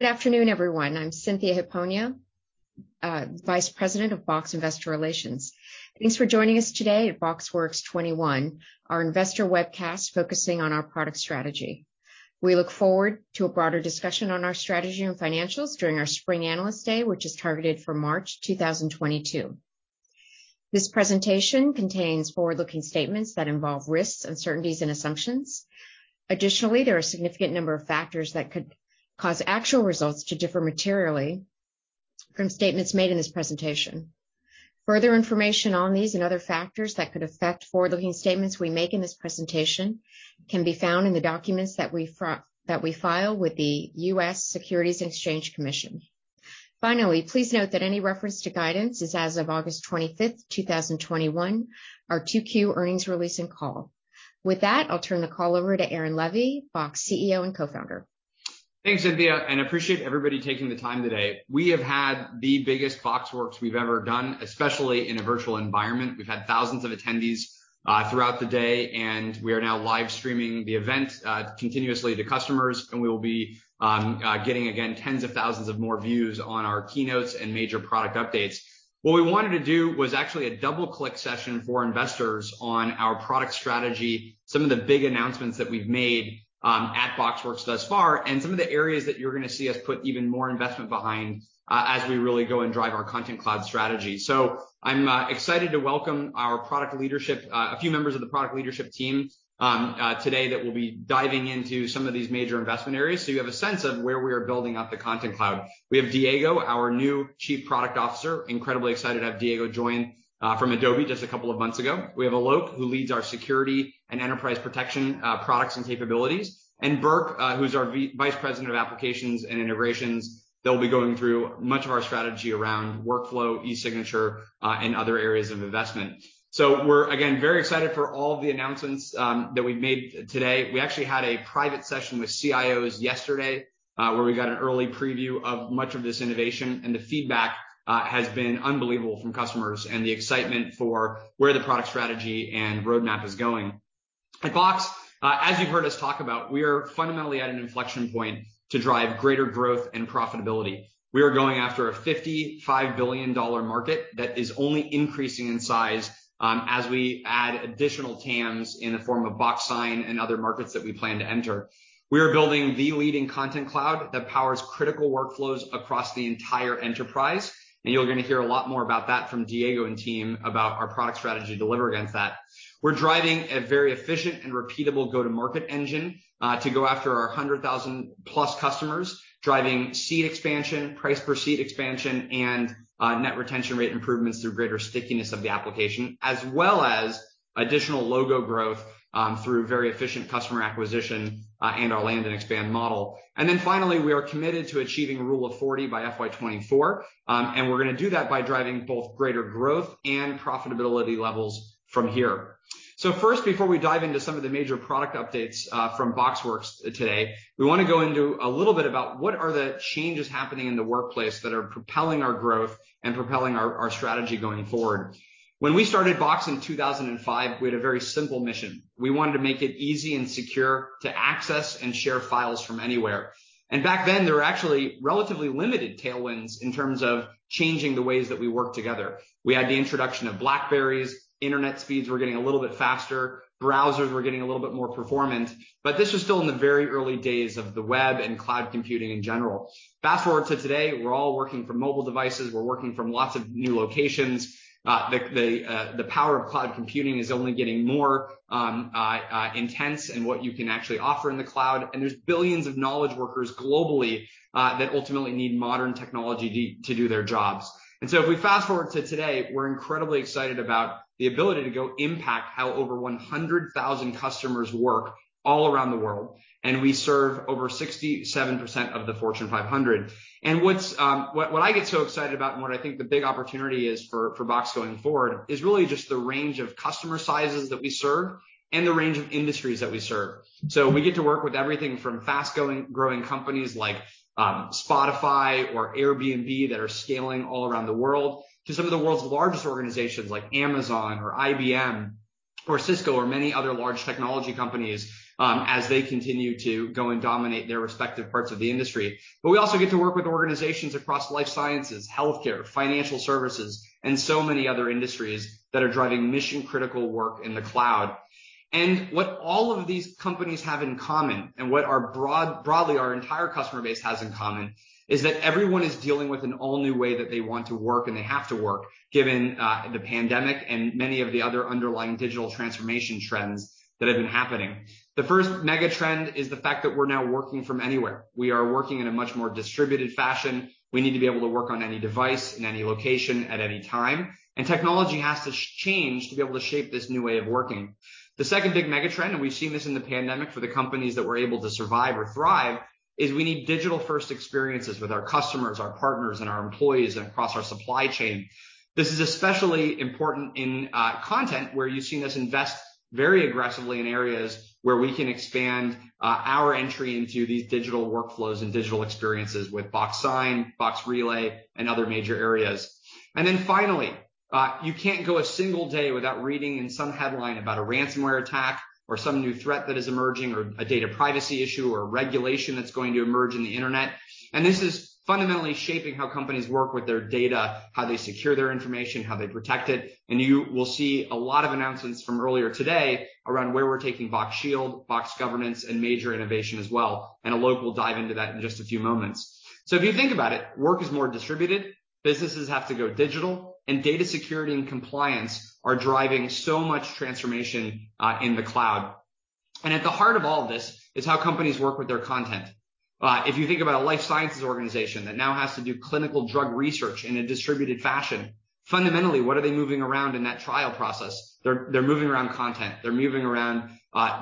Good afternoon, everyone. I'm Cynthia Hiponia, Vice President of Box Investor Relations. Thanks for joining us today at BoxWorks 2021, our investor webcast focusing on our product strategy. We look forward to a broader discussion on our strategy and financials during our spring Analyst Day, which is targeted for March 2022. This presentation contains forward-looking statements that involve risks, uncertainties, and assumptions. Additionally, there are a significant number of factors that could cause actual results to differ materially from statements made in this presentation. Further information on these and other factors that could affect forward-looking statements we make in this presentation can be found in the documents that we file with the U.S. Securities and Exchange Commission. Finally, please note that any reference to guidance is as of August 25th, 2021, our 2Q earnings release and call. With that, I'll turn the call over to Aaron Levie, Box CEO and Co-founder. Thanks, Cynthia. Appreciate everybody taking the time today. We have had the biggest BoxWorks we've ever done, especially in a virtual environment. We've had thousands of attendees throughout the day, and we are now live streaming the event continuously to customers, and we will be getting, again, tens of thousands of more views on our keynotes and major product updates. What we wanted to do was actually a double click session for investors on our product strategy, some of the big announcements that we've made at BoxWorks thus far, and some of the areas that you're going to see us put even more investment behind as we really go and drive our Content Cloud strategy. I'm excited to welcome our product leadership, a few members of the product leadership team today that will be diving into some of these major investment areas so you have a sense of where we are building out the Content Cloud. We have Diego, our new Chief Product Officer. Incredibly excited to have Diego join from Adobe just a couple of months ago. We have Alok, who leads our security and enterprise protection products and capabilities. Burke, who's our Vice President of applications and integrations. They'll be going through much of our strategy around workflow, e-signature, and other areas of investment. We're, again, very excited for all of the announcements that we've made today. We actually had a private session with CIOs yesterday, where we got an early preview of much of this innovation, and the feedback has been unbelievable from customers and the excitement for where the product strategy and roadmap is going. At Box, as you've heard us talk about, we are fundamentally at an inflection point to drive greater growth and profitability. We are going after a $55 billion market that is only increasing in size as we add additional TAMs in the form of Box Sign and other markets that we plan to enter. We are building the leading Content Cloud that powers critical workflows across the entire enterprise, and you're going to hear a lot more about that from Diego and team about our product strategy to deliver against that. We're driving a very efficient and repeatable go-to-market engine to go after our 100,000+ customers, driving seat expansion, price per seat expansion, and net retention rate improvements through greater stickiness of the application, as well as additional logo growth through very efficient customer acquisition and our land and expand model. Finally, we are committed to achieving Rule of 40 by FY 2024. We're going to do that by driving both greater growth and profitability levels from here. First, before we dive into some of the major product updates from BoxWorks today, we want to go into a little bit about what are the changes happening in the workplace that are propelling our growth and propelling our strategy going forward. When we started Box in 2005, we had a very simple mission. We wanted to make it easy and secure to access and share files from anywhere. Back then, there were actually relatively limited tailwinds in terms of changing the ways that we work together. We had the introduction of BlackBerrys, internet speeds were getting a little bit faster, browsers were getting a little bit more performant, but this was still in the very early days of the web and cloud computing in general. Fast-forward to today, we're all working from mobile devices. We're working from lots of new locations. The power of cloud computing is only getting more intense and what you can actually offer in the cloud, and there's billions of knowledge workers globally that ultimately need modern technology to do their jobs. If we fast-forward to today, we're incredibly excited about the ability to go impact how over 100,000 customers work all around the world, and we serve over 67% of the Fortune 500. What I get so excited about and what I think the big opportunity is for Box going forward is really just the range of customer sizes that we serve and the range of industries that we serve. We get to work with everything from fast-growing companies like Spotify or Airbnb that are scaling all around the world to some of the world's largest organizations like Amazon or IBM or Cisco or many other large technology companies as they continue to go and dominate their respective parts of the industry. We also get to work with organizations across life sciences, healthcare, financial services, and so many other industries that are driving mission-critical work in the cloud. What all of these companies have in common and what broadly our entire customer base has in common is that everyone is dealing with an all-new way that they want to work and they have to work, given the pandemic and many of the other underlying digital transformation trends that have been happening. The first mega trend is the fact that we are now working from anywhere. We are working in a much more distributed fashion. We need to be able to work on any device in any location at any time, and technology has to change to be able to shape this new way of working. The second big mega trend, and we have seen this in the pandemic for the companies that were able to survive or thrive, is we need digital-first experiences with our customers, our partners, and our employees and across our supply chain. This is especially important in content, where you've seen us invest very aggressively in areas where we can expand our entry into these digital workflows and digital experiences with Box Sign, Box Relay, and other major areas. Finally, you can't go a single day without reading in some headline about a ransomware attack or some new threat that is emerging or a data privacy issue or a regulation that's going to emerge in the internet. This is fundamentally shaping how companies work with their data, how they secure their information, how they protect it. You will see a lot of announcements from earlier today around where we're taking Box Shield, Box Governance, and major innovation as well, and Alok will dive into that in just a few moments. If you think about it, work is more distributed. Businesses have to go digital, data security and compliance are driving so much transformation in the cloud. At the heart of all this is how companies work with their content. If you think about a life sciences organization that now has to do clinical drug research in a distributed fashion, fundamentally, what are they moving around in that trial process? They're moving around content. They're moving around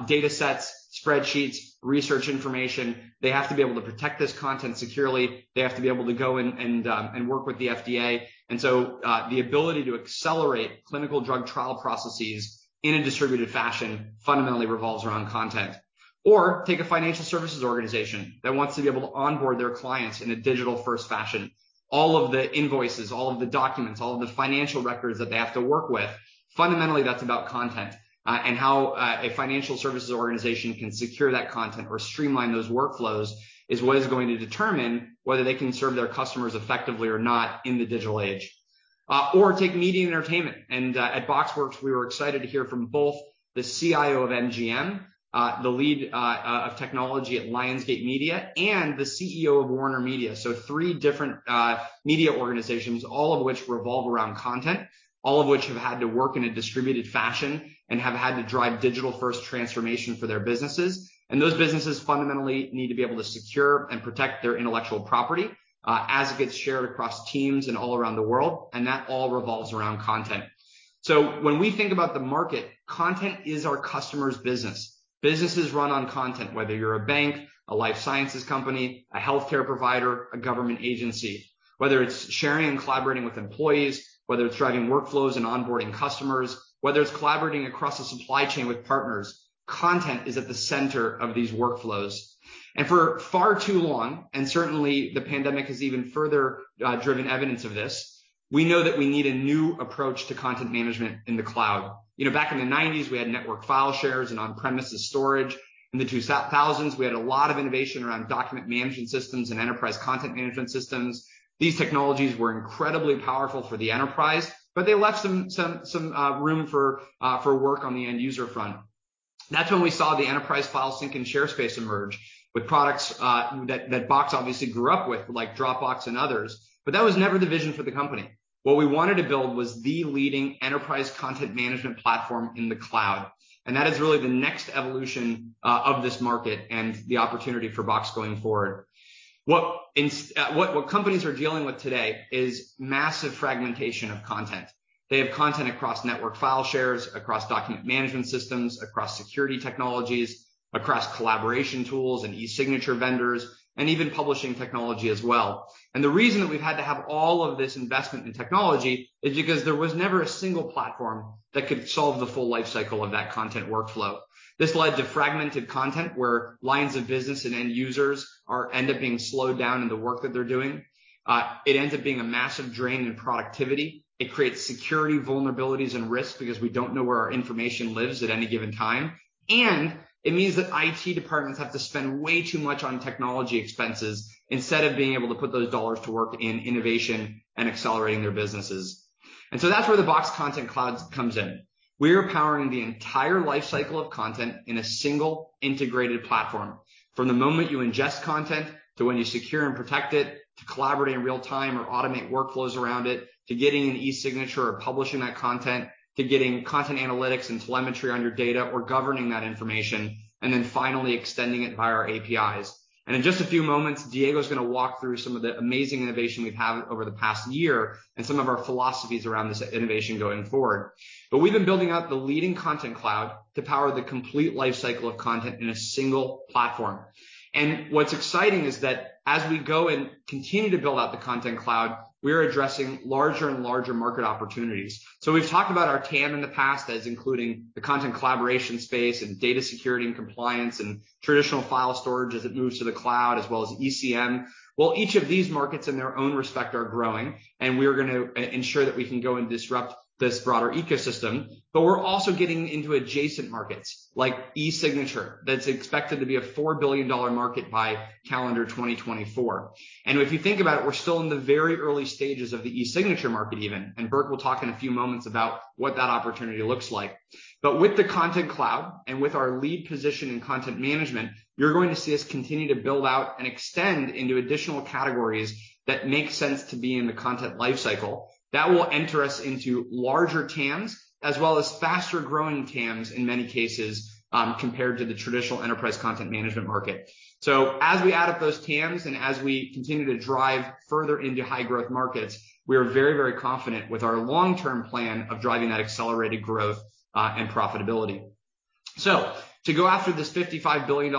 data sets, spreadsheets, research information. They have to be able to protect this content securely. They have to be able to go and work with the FDA. The ability to accelerate clinical drug trial processes in a distributed fashion fundamentally revolves around content. Take a financial services organization that wants to be able to onboard their clients in a digital-first fashion. All of the invoices, all of the documents, all of the financial records that they have to work with, fundamentally that's about content and how a financial services organization can secure that content or streamline those workflows is what is going to determine whether they can serve their customers effectively or not in the digital age. Take media and entertainment. At BoxWorks, we were excited to hear from both the CIO of MGM, the lead of technology at Lionsgate Media, and the CEO of WarnerMedia. Three different media organizations, all of which revolve around content, all of which have had to work in a distributed fashion and have had to drive digital-first transformation for their businesses. Those businesses fundamentally need to be able to secure and protect their intellectual property, as it gets shared across teams and all around the world, and that all revolves around content. When we think about the market, content is our customer's business. Businesses run on content, whether you're a bank, a life sciences company, a healthcare provider, a government agency. Whether it's sharing and collaborating with employees, whether it's driving workflows and onboarding customers, whether it's collaborating across a supply chain with partners, content is at the center of these workflows. For far too long, and certainly the pandemic has even further driven evidence of this, we know that we need a new approach to content management in the cloud. Back in the 1990s, we had network file shares and on-premises storage. In the 2000s, we had a lot of innovation around document management systems and enterprise content management systems. These technologies were incredibly powerful for the enterprise, but they left some room for work on the end-user front. That's when we saw the enterprise file sync and share space emerge with products that Box obviously grew up with, like Dropbox and others. That was never the vision for the company. What we wanted to build was the leading enterprise content management platform in the cloud. That is really the next evolution of this market and the opportunity for Box going forward. What companies are dealing with today is massive fragmentation of content. They have content across network file shares, across document management systems, across security technologies, across collaboration tools and e-signature vendors, and even publishing technology as well. The reason that we've had to have all of this investment in technology is because there was never a single platform that could solve the full life cycle of that content workflow. This led to fragmented content where lines of business and end users end up being slowed down in the work that they're doing. It ends up being a massive drain in productivity. It creates security vulnerabilities and risks because we don't know where our information lives at any given time. It means that IT departments have to spend way too much on technology expenses instead of being able to put those dollars to work in innovation and accelerating their businesses. That's where the Box Content Cloud comes in. We are powering the entire life cycle of content in a single integrated platform. From the moment you ingest content to when you secure and protect it, to collaborate in real time or automate workflows around it, to getting an e-signature or publishing that content, to getting content analytics and telemetry on your data or governing that information, then finally extending it via our APIs. In just a few moments, Diego's going to walk through some of the amazing innovation we've had over the past year and some of our philosophies around this innovation going forward. We've been building out the leading Content Cloud to power the complete life cycle of content in a single platform. What's exciting is that as we go and continue to build out the Content Cloud, we're addressing larger and larger market opportunities. We've talked about our TAM in the past as including the content collaboration space and data security and compliance and traditional file storage as it moves to the cloud, as well as ECM. Each of these markets in their own respect are growing, and we're going to ensure that we can go and disrupt this broader ecosystem. We're also getting into adjacent markets like e-signature. That's expected to be a $4 billion market by calendar 2024. If you think about it, we're still in the very early stages of the e-signature market even, and Burke will talk in a few moments about what that opportunity looks like. With the Content Cloud and with our lead position in content management, you're going to see us continue to build out and extend into additional categories that make sense to be in the content life cycle. That will enter us into larger TAMs as well as faster-growing TAMs in many cases, compared to the traditional enterprise content management market. As we add up those TAMs and as we continue to drive further into high-growth markets, we are very confident with our long-term plan of driving that accelerated growth, and profitability. To go after this $55+ billion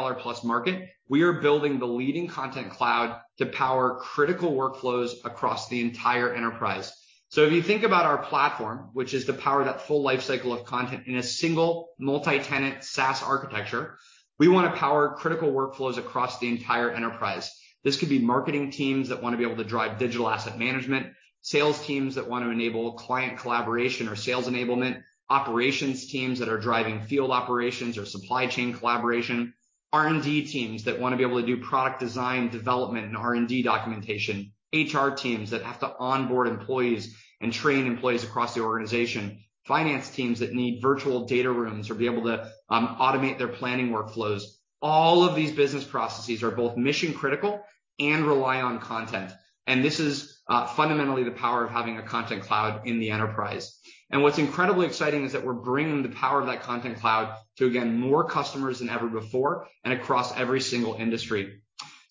market, we are building the leading Content Cloud to power critical workflows across the entire enterprise. If you think about our platform, which is to power that full life cycle of content in a single multi-tenant SaaS architecture, we want to power critical workflows across the entire enterprise. This could be marketing teams that want to be able to drive digital asset management, sales teams that want to enable client collaboration or sales enablement, operations teams that are driving field operations or supply chain collaboration, R&D teams that want to be able to do product design development and R&D documentation, HR teams that have to onboard employees and train employees across the organization, finance teams that need virtual data rooms or be able to automate their planning workflows. All of these business processes are both mission critical and rely on content. This is fundamentally the power of having a Content Cloud in the enterprise. What's incredibly exciting is that we're bringing the power of that Content Cloud to, again, more customers than ever before and across every single industry.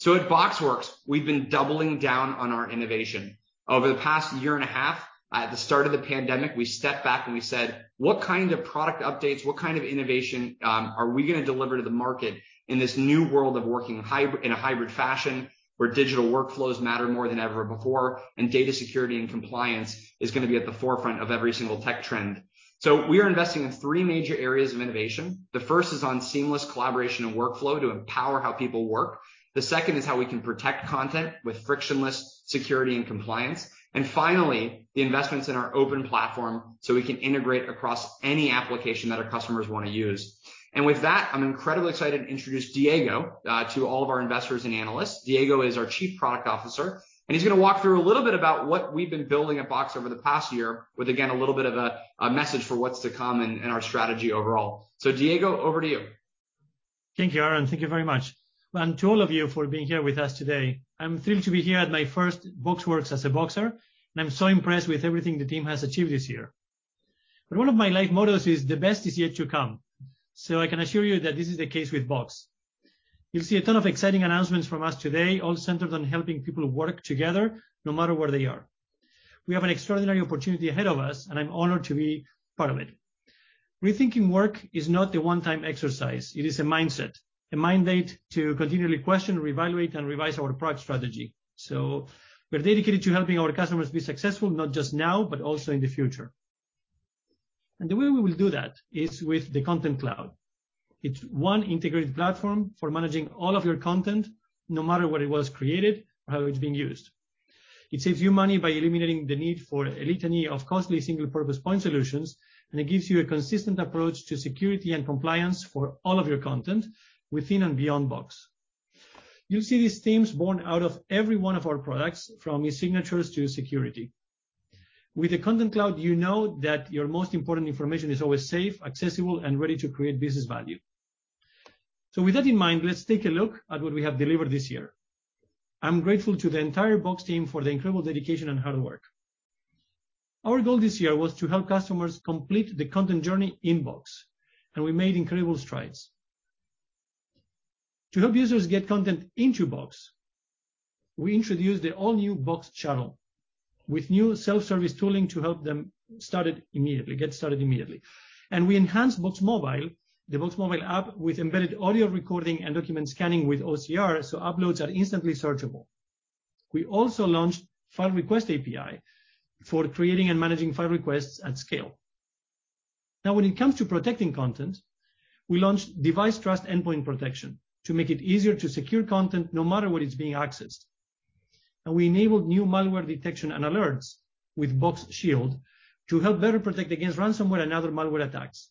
At BoxWorks, we've been doubling down on our innovation. Over the past year and a half, at the start of the pandemic, we stepped back and we said, What kind of product updates, what kind of innovation are we going to deliver to the market in this new world of working in a hybrid fashion where digital workflows matter more than ever before, and data security and compliance is going to be at the forefront of every single tech trend? We are investing in three major areas of innovation. The first is on seamless collaboration and workflow to empower how people work. The second is how we can protect content with frictionless security and compliance. Finally, the investments in our open platform so we can integrate across any application that our customers want to use. With that, I'm incredibly excited to introduce Diego to all of our investors and analysts. Diego is our Chief Product Officer, and he's going to walk through a little bit about what we've been building at Box over the past 1 year with, again, a little bit of a message for what's to come and our strategy overall. Diego, over to you. Thank you, Aaron. Thank you very much. To all of you for being here with us today. I'm thrilled to be here at my first BoxWorks as a Boxer, I'm so impressed with everything the team has achieved this year. One of my life mottos is, The best is yet to come. I can assure you that this is the case with Box. You'll see a ton of exciting announcements from us today, all centered on helping people work together no matter where they are. We have an extraordinary opportunity ahead of us, I'm honored to be part of it. Rethinking work is not a one-time exercise. It is a mindset, a mandate to continually question, reevaluate, and revise our product strategy. We're dedicated to helping our customers be successful, not just now, but also in the future. The way we will do that is with the Content Cloud. It's one integrated platform for managing all of your content, no matter where it was created or how it's being used. It saves you money by eliminating the need for a litany of costly single-purpose point solutions, and it gives you a consistent approach to security and compliance for all of your content within and beyond Box. You'll see these themes born out of every one of our products, from eSignatures to security. With the Content Cloud, you know that your most important information is always safe, accessible, and ready to create business value. With that in mind, let's take a look at what we have delivered this year. I'm grateful to the entire Box team for their incredible dedication and hard work. Our goal this year was to help customers complete the content journey in Box, and we made incredible strides. To help users get content into Box, we introduced the all-new Box Channel with new self-service tooling to help them get started immediately. We enhanced the Box mobile app with embedded audio recording and document scanning with OCR, uploads are instantly searchable. We also launched File Request API for creating and managing file requests at scale. Now when it comes to protecting content, we launched Device Trust Endpoint Protection to make it easier to secure content no matter where it's being accessed. We enabled new malware detection and alerts with Box Shield to help better protect against ransomware and other malware attacks.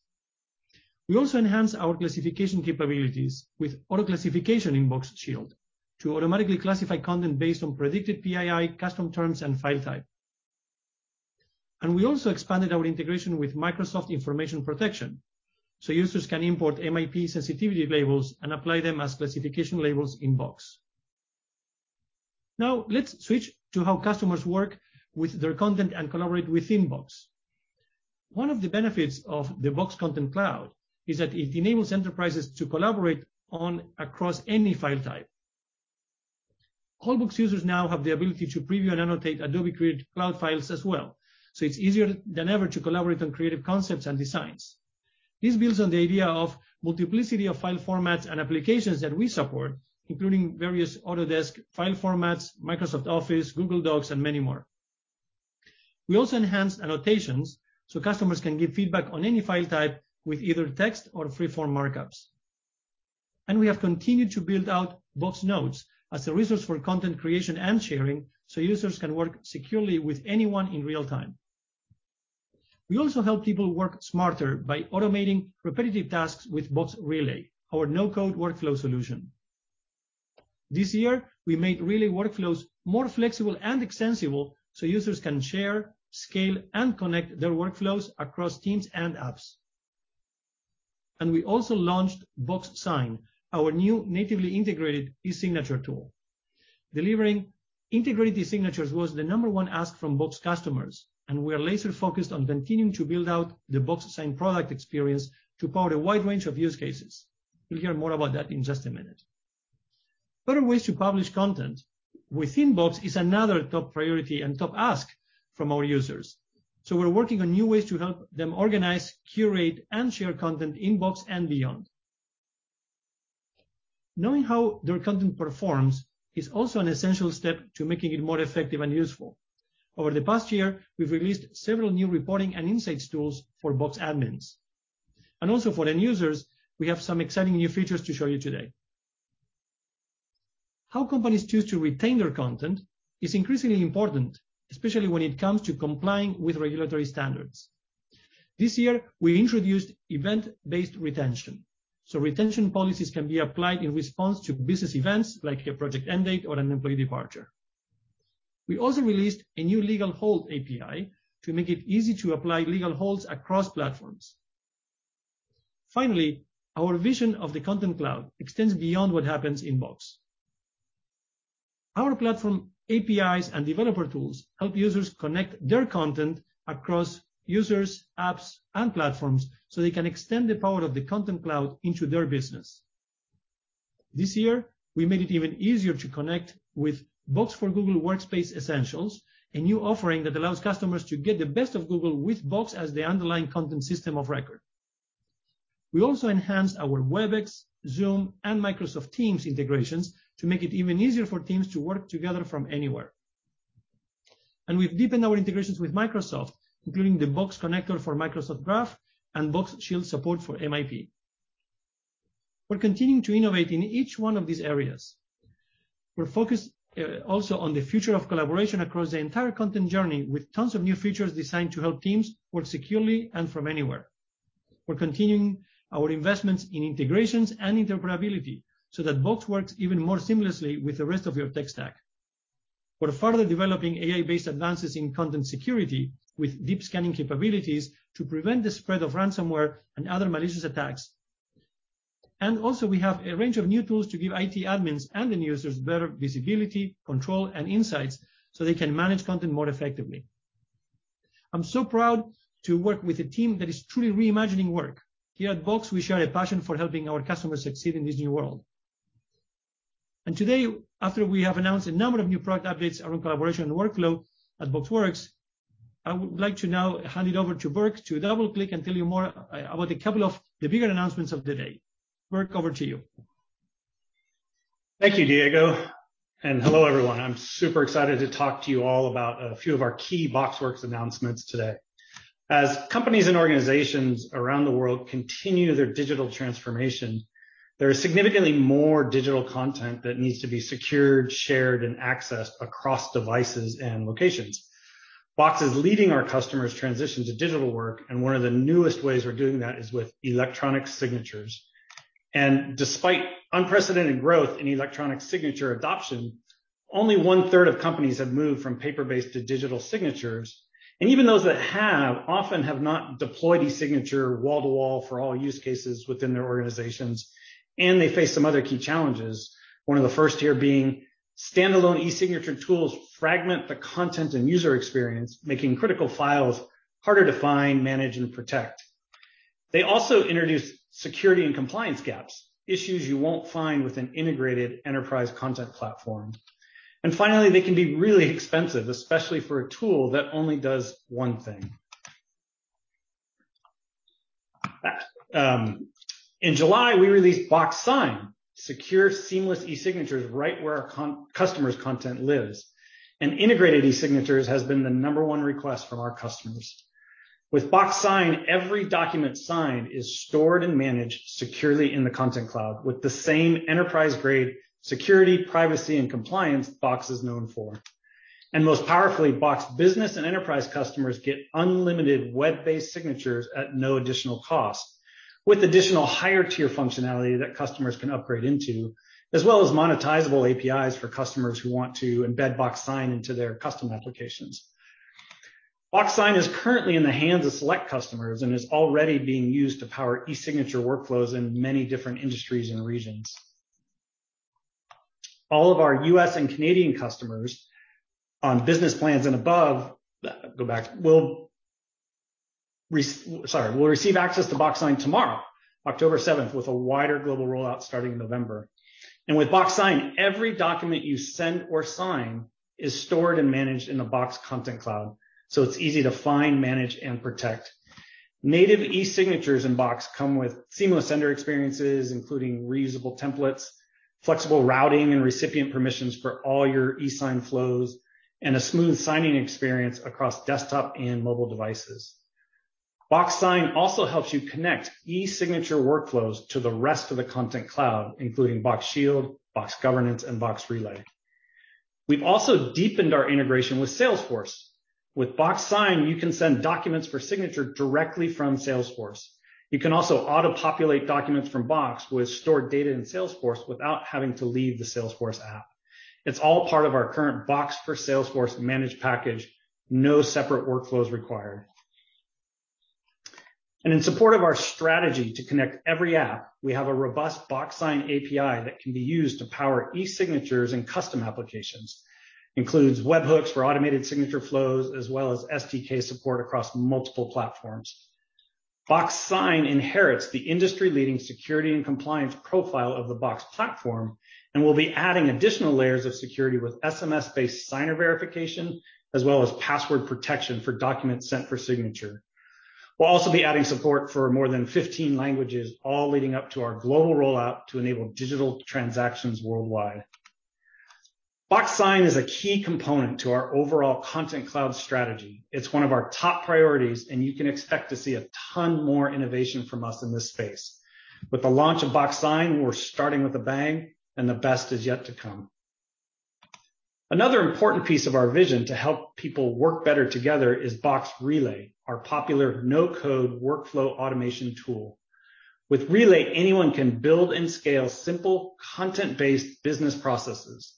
We also enhanced our classification capabilities with auto-classification in Box Shield to automatically classify content based on predicted PII, custom terms, and file type. We also expanded our integration with Microsoft Information Protection, so users can import MIP sensitivity labels and apply them as classification labels in Box. Let's switch to how customers work with their content and collaborate within Box. One of the benefits of the Box Content Cloud is that it enables enterprises to collaborate on across any file type. All Box users now have the ability to preview and annotate Adobe Creative Cloud files as well, so it's easier than ever to collaborate on creative concepts and designs. This builds on the idea of multiplicity of file formats and applications that we support, including various Autodesk file formats, Microsoft Office, Google Docs, and many more. We also enhanced annotations so customers can give feedback on any file type with either text or freeform markups. We have continued to build out Box Notes as a resource for content creation and sharing so users can work securely with anyone in real time. We also help people work smarter by automating repetitive tasks with Box Relay, our no-code workflow solution. This year, we made Relay workflows more flexible and extensible so users can share, scale, and connect their workflows across teams and apps. We also launched Box Sign, our new natively integrated eSignature tool. Delivering integrated eSignatures was the number one ask from Box customers, and we are laser-focused on continuing to build out the Box Sign product experience to support a wide range of use cases. You'll hear more about that in just a minute. Better ways to publish content within Box is another top priority and top ask from our users. We're working on new ways to help them organize, curate, and share content in Box and beyond. Knowing how their content performs is also an essential step to making it more effective and useful. Over the past year, we've released several new reporting and insights tools for Box admins. Also for end users, we have some exciting new features to show you today. How companies choose to retain their content is increasingly important, especially when it comes to complying with regulatory standards. This year, we introduced event-based retention, so retention policies can be applied in response to business events like a project end date or an employee departure. We also released a new legal hold API to make it easy to apply legal holds across platforms. Our vision of the Content Cloud extends beyond what happens in Box. Our platform APIs and developer tools help users connect their content across users, apps, and platforms so they can extend the power of the Content Cloud into their business. This year, we made it even easier to connect with Box for Google Workspace Essentials, a new offering that allows customers to get the best of Google with Box as the underlying content system of record. We also enhanced our Webex, Zoom, and Microsoft Teams integrations to make it even easier for teams to work together from anywhere. We've deepened our integrations with Microsoft, including the Box Connector for Microsoft Graph and Box Shield support for MIP. We're continuing to innovate in each one of these areas. We're focused also on the future of collaboration across the entire content journey, with tons of new features designed to help teams work securely and from anywhere. We're continuing our investments in integrations and interoperability so that Box works even more seamlessly with the rest of your tech stack. We're further developing AI-based advances in content security with deep scanning capabilities to prevent the spread of ransomware and other malicious attacks. Also we have a range of new tools to give IT admins and end users better visibility, control, and insights so they can manage content more effectively. I'm so proud to work with a team that is truly reimagining work. Here at Box, we share a passion for helping our customers succeed in this new world. Today, after we have announced a number of new product updates around collaboration and workflow at BoxWorks, I would like to now hand it over to Burke to double-click and tell you more about a couple of the bigger announcements of the day. Burke, over to you. Thank you, Diego, and hello, everyone. I'm super excited to talk to you all about a few of our key BoxWorks announcements today. As companies and organizations around the world continue their digital transformation, there is significantly more digital content that needs to be secured, shared, and accessed across devices and locations. Box is leading our customers' transition to digital work, one of the newest ways we're doing that is with electronic signatures. Despite unprecedented growth in electronic signature adoption, only one-third of companies have moved from paper-based to digital signatures. Even those that have often have not deployed e-signature wall to wall for all use cases within their organizations. They face some other key challenges. One of the first here being standalone e-signature tools fragment the content and user experience, making critical files harder to find, manage, and protect. They also introduce security and compliance gaps, issues you won't find with an integrated enterprise content platform. Finally, they can be really expensive, especially for a tool that only does one thing. In July, we released Box Sign, secure seamless e-signatures right where our customer's content lives. Integrated e-signatures has been the number one request from our customers. With Box Sign, every document signed is stored and managed securely in the Content Cloud with the same enterprise-grade security, privacy, and compliance Box is known for. Most powerfully, Box Business and Enterprise customers get unlimited web-based signatures at no additional cost, with additional higher-tier functionality that customers can upgrade into, as well as monetizable APIs for customers who want to embed Box Sign into their custom applications. Box Sign is currently in the hands of select customers and is already being used to power e-signature workflows in many different industries and regions. All of our U.S. and Canadian customers on business plans and above will receive access to Box Sign tomorrow, October 7th, with a wider global rollout starting in November. With Box Sign, every document you send or sign is stored and managed in the Box Content Cloud, so it's easy to find, manage, and protect. Native e-signatures in Box come with seamless sender experiences, including reusable templates, flexible routing and recipient permissions for all your e-sign flows, and a smooth signing experience across desktop and mobile devices. Box Sign also helps you connect e-signature workflows to the rest of the Content Cloud, including Box Shield, Box Governance, and Box Relay. We've also deepened our integration with Salesforce. With Box Sign, you can send documents for signature directly from Salesforce. You can also auto-populate documents from Box with stored data in Salesforce without having to leave the Salesforce app. It's all part of our current Box for Salesforce managed package, no separate workflows required. In support of our strategy to connect every app, we have a robust Box Sign API that can be used to power e-signatures and custom applications. Includes webhooks for automated signature flows, as well as SDK support across multiple platforms. Box Sign inherits the industry-leading security and compliance profile of the Box Platform and will be adding additional layers of security with SMS-based signer verification as well as password protection for documents sent for signature. We'll also be adding support for more than 15 languages, all leading up to our global rollout to enable digital transactions worldwide. Box Sign is a key component to our overall Content Cloud strategy. It's one of our top priorities, and you can expect to see a ton more innovation from us in this space. With the launch of Box Sign, we're starting with a bang, and the best is yet to come. Another important piece of our vision to help people work better together is Box Relay, our popular no-code workflow automation tool. With Relay, anyone can build and scale simple content-based business processes.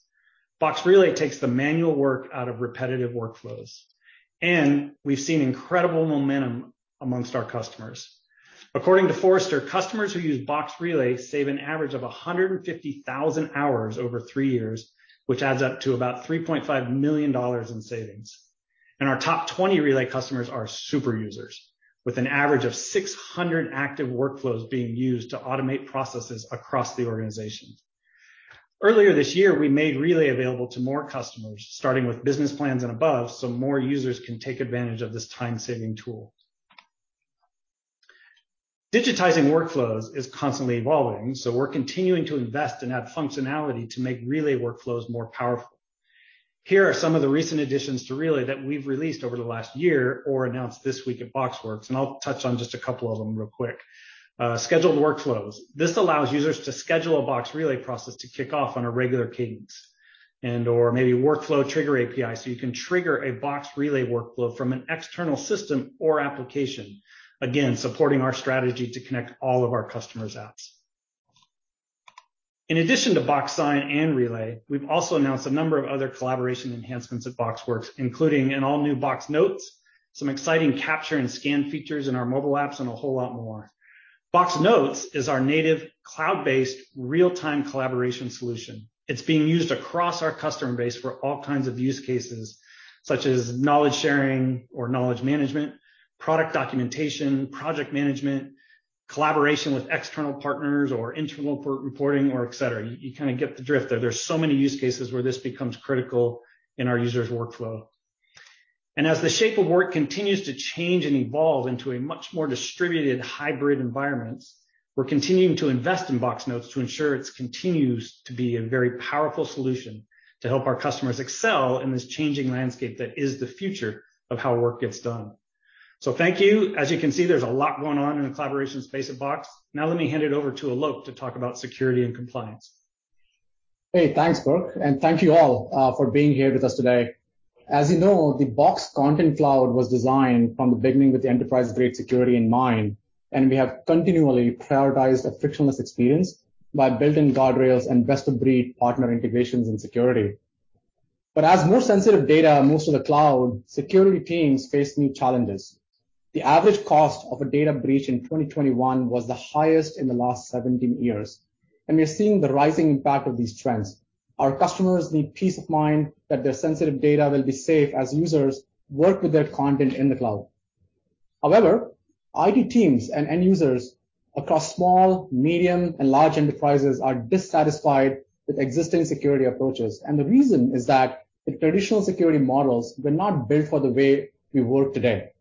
Box Relay takes the manual work out of repetitive workflows, and we've seen incredible momentum amongst our customers. According to Forrester, customers who use Box Relay save an average of 150,000 hours over three years, which adds up to about $3.5 million in savings. Our top 20 Box Relay customers are super users, with an average of 600 active workflows being used to automate processes across the organization. Earlier this year, we made Relay available to more customers, starting with business plans and above, so more users can take advantage of this time-saving tool. Digitizing workflows is constantly evolving, so we're continuing to invest and add functionality to make Relay workflows more powerful. Here are some of the recent additions to Relay that we've released over the last year or announced this week at BoxWorks, and I'll touch on just a couple of them real quick. Scheduled workflows. This allows users to schedule a Box Relay process to kick off on a regular cadence and/or maybe workflow trigger API, so you can trigger a Box Relay workflow from an external system or application. Again, supporting our strategy to connect all of our customers' apps. In addition to Box Sign and Relay, we've also announced a number of other collaboration enhancements at BoxWorks, including an all-new Box Notes, some exciting capture and scan features in our mobile apps, and a whole lot more. Box Notes is our native cloud-based real-time collaboration solution. It's being used across our customer base for all kinds of use cases, such as knowledge sharing or knowledge management, product documentation, project management, collaboration with external partners or internal reporting or et cetera. You kind of get the drift there. There's so many use cases where this becomes critical in our users' workflow. As the shape of work continues to change and evolve into a much more distributed hybrid environment, we're continuing to invest in Box Notes to ensure it continues to be a very powerful solution to help our customers excel in this changing landscape that is the future of how work gets done. Thank you. As you can see, there's a lot going on in the collaboration space at Box. Let me hand it over to Alok to talk about security and compliance. Hey, thanks, Burke. Thank you all for being here with us today. As you know, the Box Content Cloud was designed from the beginning with enterprise-grade security in mind, and we have continually prioritized a frictionless experience by building guardrails and best-of-breed partner integrations and security. As more sensitive data moves to the cloud, security teams face new challenges. The average cost of a data breach in 2021 was the highest in the last 17 years, and we are seeing the rising impact of these trends. Our customers need peace of mind that their sensitive data will be safe as users work with their content in the cloud. However, IT teams and end users across small, medium, and large enterprises are dissatisfied with existing security approaches. The reason is that the traditional security models were not built for the way we work today.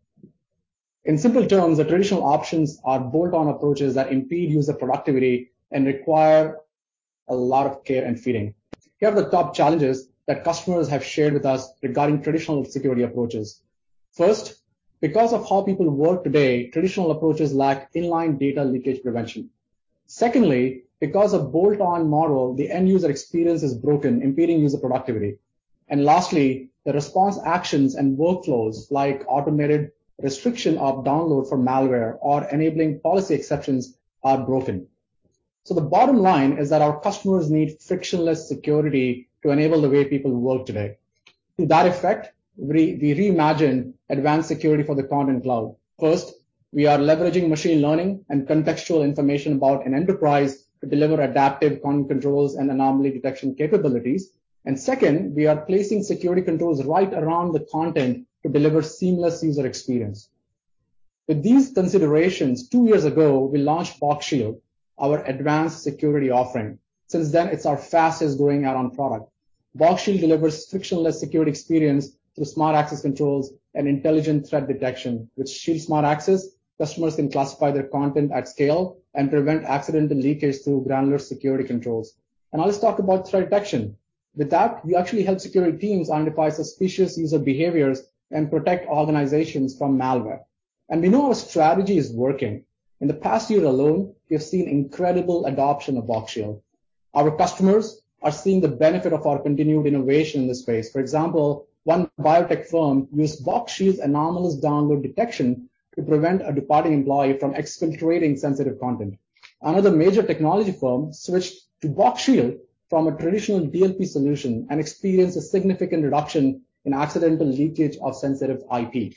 In simple terms, the traditional options are bolt-on approaches that impede user productivity and require a lot of care and feeding. Here are the top challenges that customers have shared with us regarding traditional security approaches. First, because of how people work today, traditional approaches lack inline data leakage prevention. Because of bolt-on model, the end user experience is broken, impeding user productivity. Lastly, the response actions and workflows like automated restriction of download for malware or enabling policy exceptions are broken. The bottom line is that our customers need frictionless security to enable the way people work today. To that effect, we reimagined advanced security for the Content Cloud. First, we are leveraging machine learning and contextual information about an enterprise to deliver adaptive content controls and anomaly detection capabilities. Second, we are placing security controls right around the content to deliver seamless user experience. With these considerations, two years ago, we launched Box Shield, our advanced security offering. Since then, it's our fastest-growing add-on product. Box Shield delivers frictionless security experience through smart access controls and intelligent threat detection. With Shield smart access, customers can classify their content at scale and prevent accidental leakage through granular security controls. Now let's talk about threat detection. With that, we actually help security teams identify suspicious user behaviors and protect organizations from malware. We know our strategy is working. In the past year alone, we have seen incredible adoption of Box Shield. Our customers are seeing the benefit of our continued innovation in this space. For example, one biotech firm used Box Shield's anomalous download detection to prevent a departing employee from exfiltrating sensitive content. Another major technology firm switched to Box Shield from a traditional DLP solution and experienced a significant reduction in accidental leakage of sensitive IP.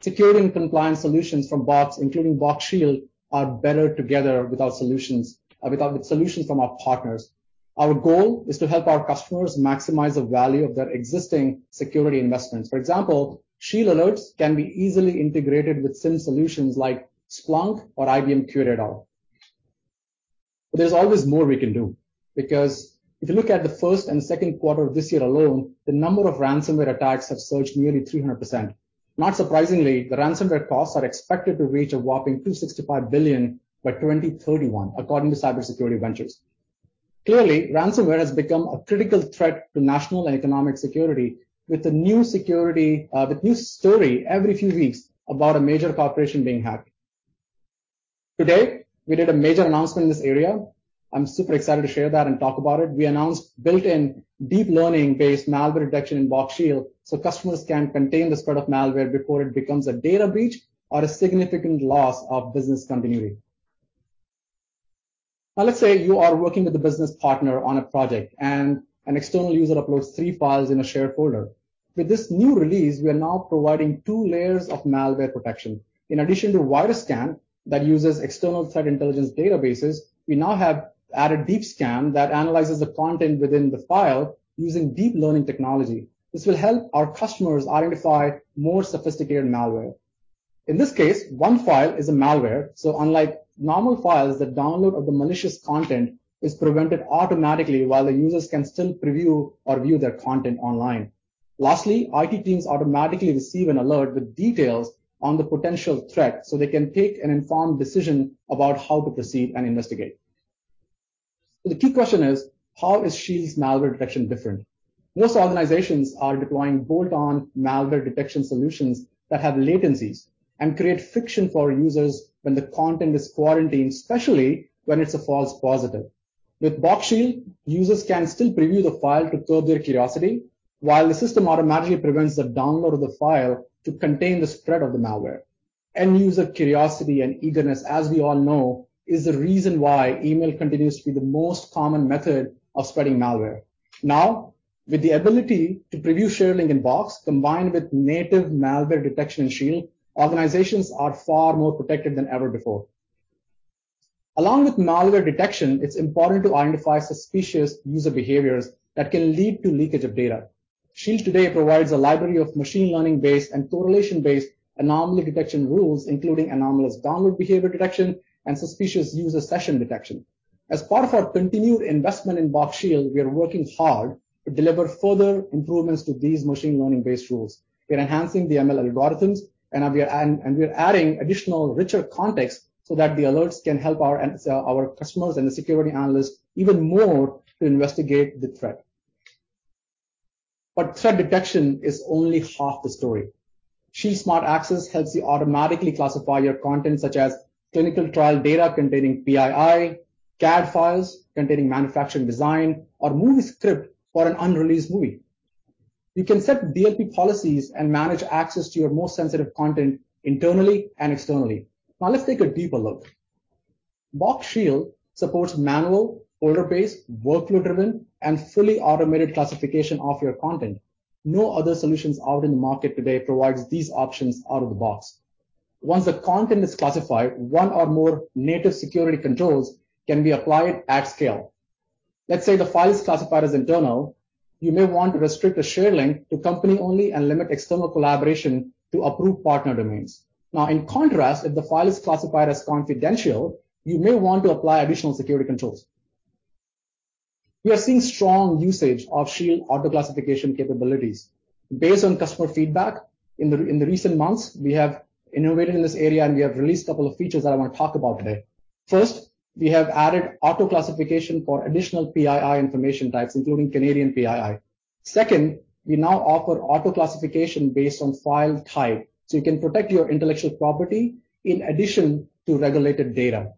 Security and compliance solutions from Box, including Box Shield, are better together with solutions from our partners. Our goal is to help our customers maximize the value of their existing security investments. For example, Shield alerts can be easily integrated with SIEM solutions like Splunk or IBM QRadar. There's always more we can do because if you look at the first and second quarter of this year alone, the number of ransomware attacks have surged nearly 300%. Not surprisingly, the ransomware costs are expected to reach a whopping $265 billion by 2031, according to Cybersecurity Ventures. Clearly, ransomware has become a critical threat to national and economic security, with a new story every few weeks about a major corporation being hacked. Today, we did a major announcement in this area. I'm super excited to share that and talk about it. We announced built-in deep learning-based malware detection in Box Shield so customers can contain the spread of malware before it becomes a data breach or a significant loss of business continuity. Let's say you are working with a business partner on a project, and an external user uploads three files in a shared folder. With this new release, we are now providing two layers of malware protection. In addition to virus scan that uses external threat intelligence databases, we now have added deep scan that analyzes the content within the file using deep learning technology. This will help our customers identify more sophisticated malware. In this case, one file is a malware, so unlike normal files, the download of the malicious content is prevented automatically while the users can still preview or view their content online. Lastly, IT teams automatically receive an alert with details on the potential threat so they can take an informed decision about how to proceed and investigate. The key question is: how is Shield's malware detection different? Most organizations are deploying bolt-on malware detection solutions that have latencies and create friction for users when the content is quarantined, especially when it's a false positive. With Box Shield, users can still preview the file to curb their curiosity while the system automatically prevents the download of the file to contain the spread of the malware. End user curiosity and eagerness, as we all know, is the reason why email continues to be the most common method of spreading malware. With the ability to preview share link in Box, combined with native malware detection in Shield, organizations are far more protected than ever before. Along with malware detection, it's important to identify suspicious user behaviors that can lead to leakage of data. Shield today provides a library of machine learning-based and correlation-based anomaly detection rules, including anomalous download behavior detection and suspicious user session detection. As part of our continued investment in Box Shield, we are working hard to deliver further improvements to these machine learning-based rules. We're enhancing the ML algorithms, and we are adding additional richer context so that the alerts can help our customers and the security analysts even more to investigate the threat. Threat detection is only half the story. Shield's smart access helps you automatically classify your content, such as clinical trial data containing PII, CAD files containing manufacturing design, or movie script for an unreleased movie. You can set DLP policies and manage access to your most sensitive content internally and externally. Now let's take a deeper look. Box Shield supports manual, folder-based, workflow-driven, and fully automated classification of your content. No other solutions out in the market today provides these options out of the box. Once the content is classified, one or more native security controls can be applied at scale. Let's say the file is classified as internal. You may want to restrict the share link to company only and limit external collaboration to approved partner domains. Now, in contrast, if the file is classified as confidential, you may want to apply additional security controls. We are seeing strong usage of Shield auto-classification capabilities. Based on customer feedback, in the recent months, we have innovated in this area, we have released a couple of features that I want to talk about today. First, we have added auto-classification for additional PII information types, including Canadian PII. Second, we now offer auto-classification based on file type, you can protect your intellectual property in addition to regulated data.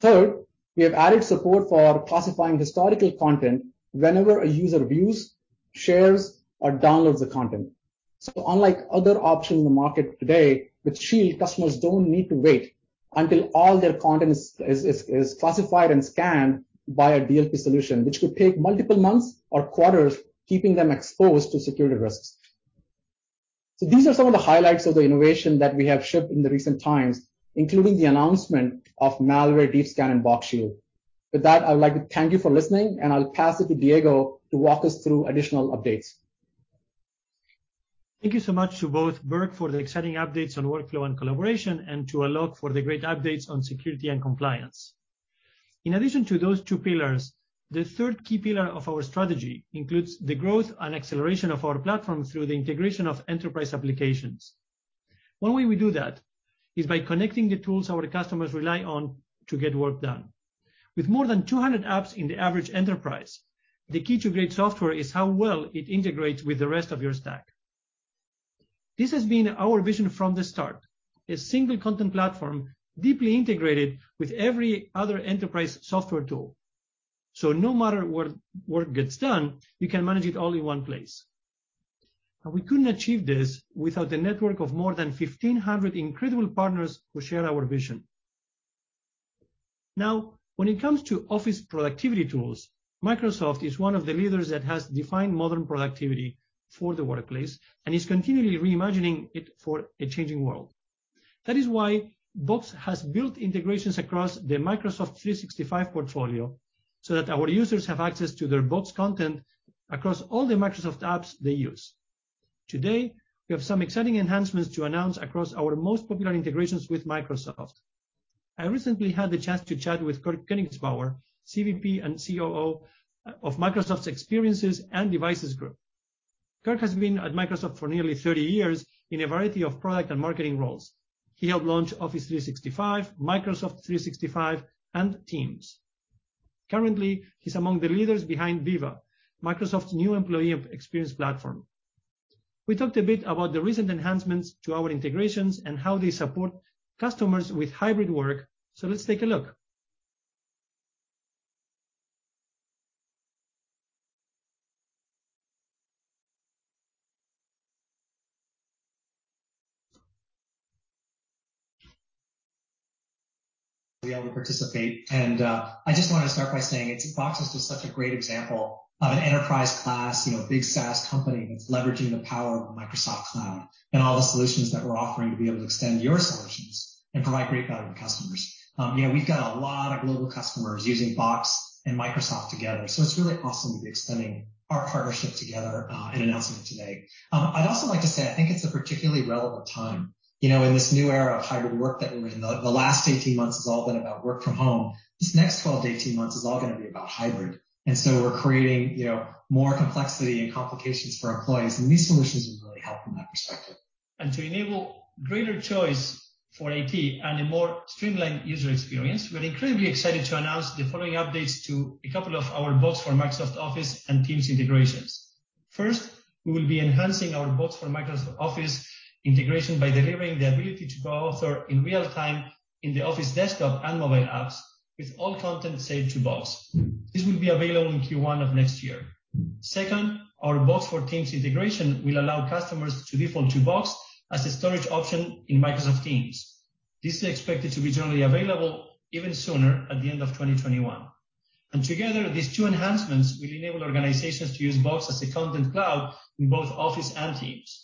Third, we have added support for classifying historical content whenever a user views, shares, or downloads the content. Unlike other options in the market today, with Box Shield, customers don't need to wait until all their content is classified and scanned by a DLP solution, which could take multiple months or quarters, keeping them exposed to security risks. These are some of the highlights of the innovation that we have shipped in the recent times, including the announcement of malware deep scan in Box Shield. I would like to thank you for listening, and I'll pass it to Diego to walk us through additional updates. Thank you so much to both Burke for the exciting updates on workflow and collaboration and to Alok for the great updates on security and compliance. In addition to those two pillars, the third key pillar of our strategy includes the growth and acceleration of our platform through the integration of enterprise applications. One way we do that is by connecting the tools our customers rely on to get work done. With more than 200 apps in the average enterprise, the key to great software is how well it integrates with the rest of your stack. This has been our vision from the start. A single content platform deeply integrated with every other enterprise software tool. No matter where work gets done, you can manage it all in one place. We couldn't achieve this without the network of more than 1,500 incredible partners who share our vision. When it comes to office productivity tools, Microsoft is one of the leaders that has defined modern productivity for the workplace and is continually reimagining it for a changing world. That is why Box has built integrations across the Microsoft 365 portfolio, so that our users have access to their Box content across all the Microsoft apps they use. Today, we have some exciting enhancements to announce across our most popular integrations with Microsoft. I recently had the chance to chat with Kirk Koenigsbauer, CVP and COO of Microsoft's Experiences and Devices Group. Kirk has been at Microsoft for nearly 30 years in a variety of product and marketing roles. He helped launch Office 365, Microsoft 365, and Teams. Currently, he's among the leaders behind Viva, Microsoft's new employee experience platform. We talked a bit about the recent enhancements to our integrations and how they support customers with hybrid work. Let's take a look. Be able to participate. I just want to start by saying Box is just such a great example of an enterprise-class, big SaaS company that's leveraging the power of Microsoft Cloud and all the solutions that we're offering to be able to extend your solutions and provide great value to customers. We've got a lot of global customers using Box and Microsoft together, so it's really awesome to be extending our partnership together and announcing it today. I'd also like to say, I think it's a particularly relevant time. In this new era of hybrid work that we're in, the last 18 months has all been about work from home. This next 12 months-18 months is all going to be about hybrid. We're creating more complexity and complications for employees, and these solutions will really help from that perspective. To enable greater choice for IT and a more streamlined user experience, we're incredibly excited to announce the following updates to a couple of our Box for Microsoft Office and Teams integrations. First, we will be enhancing our Box for Microsoft Office integration by delivering the ability to co-author in real time in the Office desktop and mobile apps with all content saved to Box. This will be available in Q1 of next year. Second, our Box for Teams integration will allow customers to default to Box as a storage option in Microsoft Teams. This is expected to be generally available even sooner, at the end of 2021. Together, these two enhancements will enable organizations to use Box as a Content Cloud in both Office and Teams.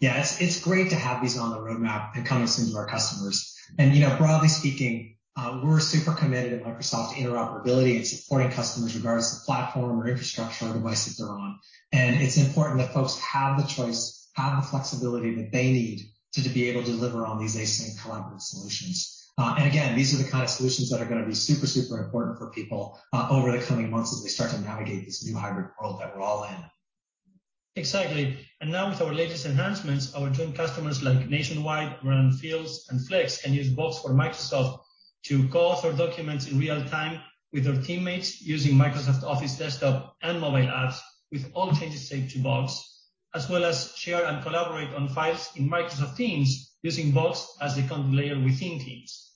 Yeah. It's great to have these on the roadmap and coming soon to our customers. Broadly speaking, we're super committed at Microsoft to interoperability and supporting customers regardless of the platform or infrastructure or device that they're on. It's important that folks have the choice, have the flexibility that they need to be able to deliver on these async collaborative solutions. Again, these are the kind of solutions that are going to be super important for people over the coming months as we start to navigate this new hybrid world that we're all in. Exactly. Now with our latest enhancements, our joint customers like Nationwide, Randstad, and Flex can use Box for Microsoft to co-author documents in real time with their teammates using Microsoft Office desktop and mobile apps with all changes saved to Box, as well as share and collaborate on files in Microsoft Teams using Box as the content layer within Teams.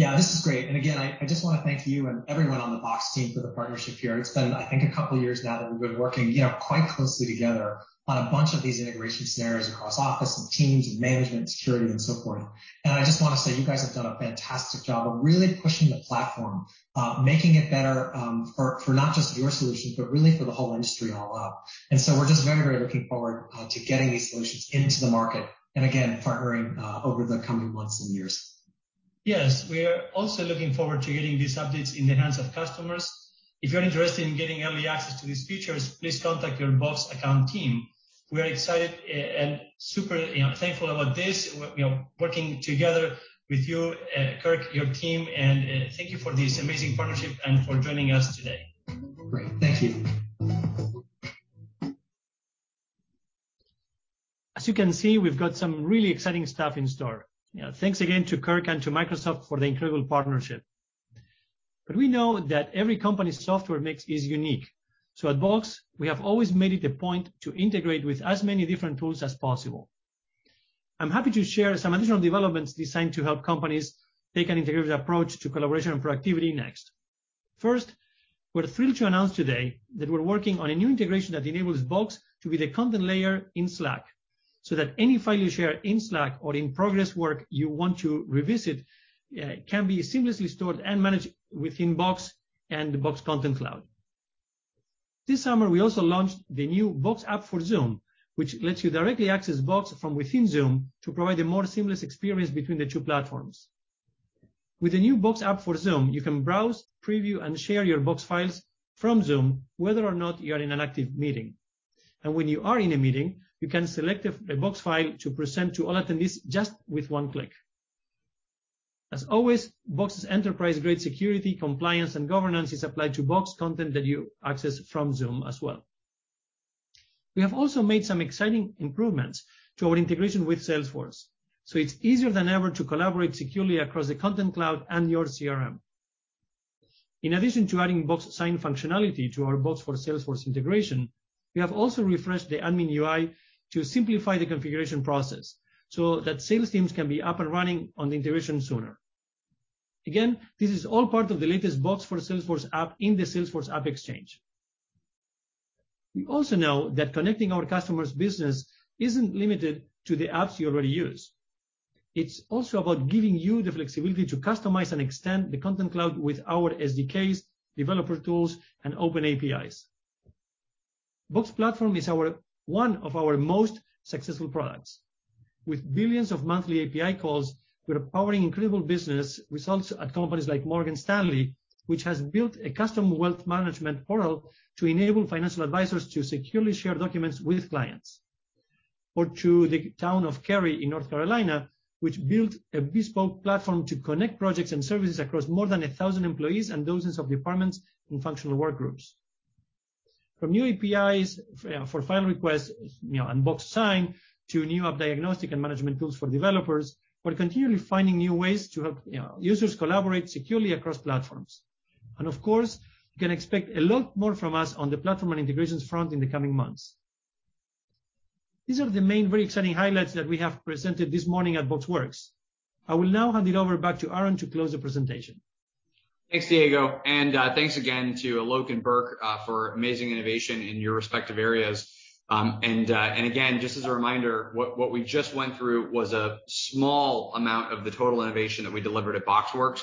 Yeah. This is great. Again, I just want to thank you and everyone on the Box team for the partnership here. It's been, I think, a couple of years now that we've been working quite closely together on a bunch of these integration scenarios across Office and Teams and management, security, and so forth. I just want to say, you guys have done a fantastic job of really pushing the platform, making it better for not just your solutions, but really for the whole industry all up. We're just very, very looking forward to getting these solutions into the market, and again, partnering over the coming months and years. Yes. We are also looking forward to getting these updates in the hands of customers. If you're interested in getting early access to these features, please contact your Box account team. We are excited and super thankful about this, working together with you, Kirk, your team, and thank you for this amazing partnership and for joining us today. Great. Thank you. As you can see, we've got some really exciting stuff in store. Thanks again to Kirk and to Microsoft for the incredible partnership. We know that every company's software mix is unique. At Box, we have always made it a point to integrate with as many different tools as possible. I'm happy to share some additional developments designed to help companies take an integrated approach to collaboration and productivity next. First, we're thrilled to announce today that we're working on a new integration that enables Box to be the content layer in Slack, so that any file you share in Slack or in-progress work you want to revisit can be seamlessly stored and managed within Box and the Box Content Cloud. This summer, we also launched the new Box app for Zoom, which lets you directly access Box from within Zoom to provide a more seamless experience between the two platforms. With the new Box app for Zoom, you can browse, preview, and share your Box files from Zoom, whether or not you are in an active meeting. When you are in a meeting, you can select a Box file to present to all attendees just with one click. As always, Box's enterprise-grade security, compliance, and governance is applied to Box content that you access from Zoom as well. We have also made some exciting improvements to our integration with Salesforce, so it's easier than ever to collaborate securely across the Content Cloud and your CRM. In addition to adding Box Sign functionality to our Box for Salesforce integration, we have also refreshed the admin UI to simplify the configuration process so that sales teams can be up and running on the integration sooner. Again, this is all part of the latest Box for Salesforce app in the Salesforce AppExchange. We also know that connecting our customer's business isn't limited to the apps you already use. It's also about giving you the flexibility to customize and extend the Content Cloud with our SDKs, developer tools, and open APIs. Box Platform is one of our most successful products. With billions of monthly API calls, we're powering incredible business results at companies like Morgan Stanley, which has built a custom wealth management portal to enable financial advisors to securely share documents with clients. To the town of Cary in North Carolina, which built a bespoke platform to connect projects and services across more than 1,000 employees and dozens of departments in functional work groups. From new APIs for file requests and Box Sign, to new diagnostic and management tools for developers, we're continually finding new ways to help users collaborate securely across platforms. Of course, you can expect a lot more from us on the platform and integrations front in the coming months. These are the main, very exciting highlights that we have presented this morning at BoxWorks. I will now hand it over back to Aaron to close the presentation. Thanks, Diego, thanks again to Alok and Burke for amazing innovation in your respective areas. Again, just as a reminder, what we just went through was a small amount of the total innovation that we delivered at BoxWorks.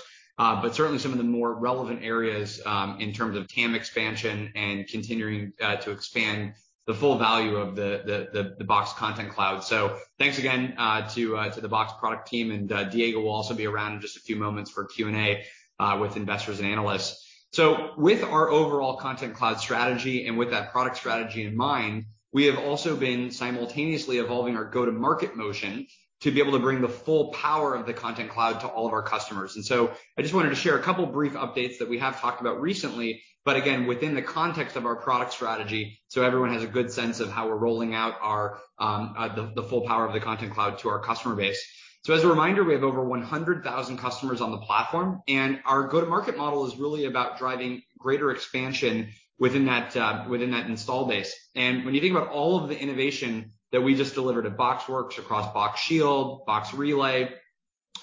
Certainly, some of the more relevant areas, in terms of TAM expansion and continuing to expand the full value of the Box Content Cloud. Thanks again to the Box product team, and Diego will also be around in just a few moments for Q&A with investors and analysts. With our overall Content Cloud strategy and with that product strategy in mind, we have also been simultaneously evolving our go-to-market motion to be able to bring the full power of the Content Cloud to all of our customers. I just wanted to share a couple of brief updates that we have talked about recently, but again, within the context of our product strategy, so everyone has a good sense of how we're rolling out the full power of the Content Cloud to our customer base. As a reminder, we have over 100,000 customers on the platform, and our go-to-market model is really about driving greater expansion within that install base. When you think about all of the innovation that we just delivered at BoxWorks across Box Shield, Box Relay,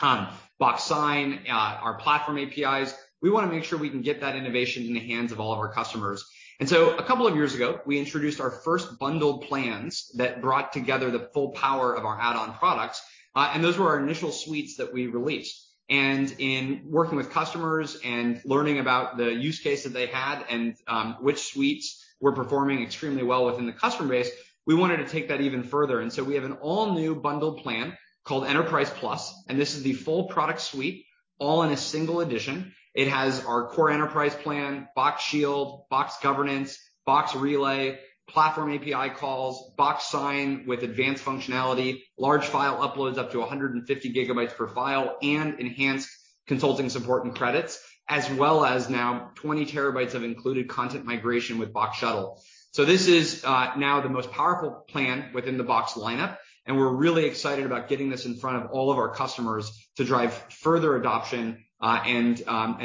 Box Sign, our platform APIs, we want to make sure we can get that innovation in the hands of all of our customers. A couple of years ago, we introduced our first bundled plans that brought together the full power of our add-on products, and those were our initial suites that we released. In working with customers and learning about the use case that they had and which suites were performing extremely well within the customer base, we wanted to take that even further. We have an all-new bundled plan called Enterprise Plus, and this is the full product suite all in a single edition. It has our core Enterprise plan, Box Shield, Box Governance, Box Relay, platform API calls, Box Sign with advanced functionality, large file uploads up to 150 GB per file, and enhanced consulting support and credits, as well as now 20 TB of included content migration with Box Shuttle. This is now the most powerful plan within the Box lineup, and we're really excited about getting this in front of all of our customers to drive further adoption, and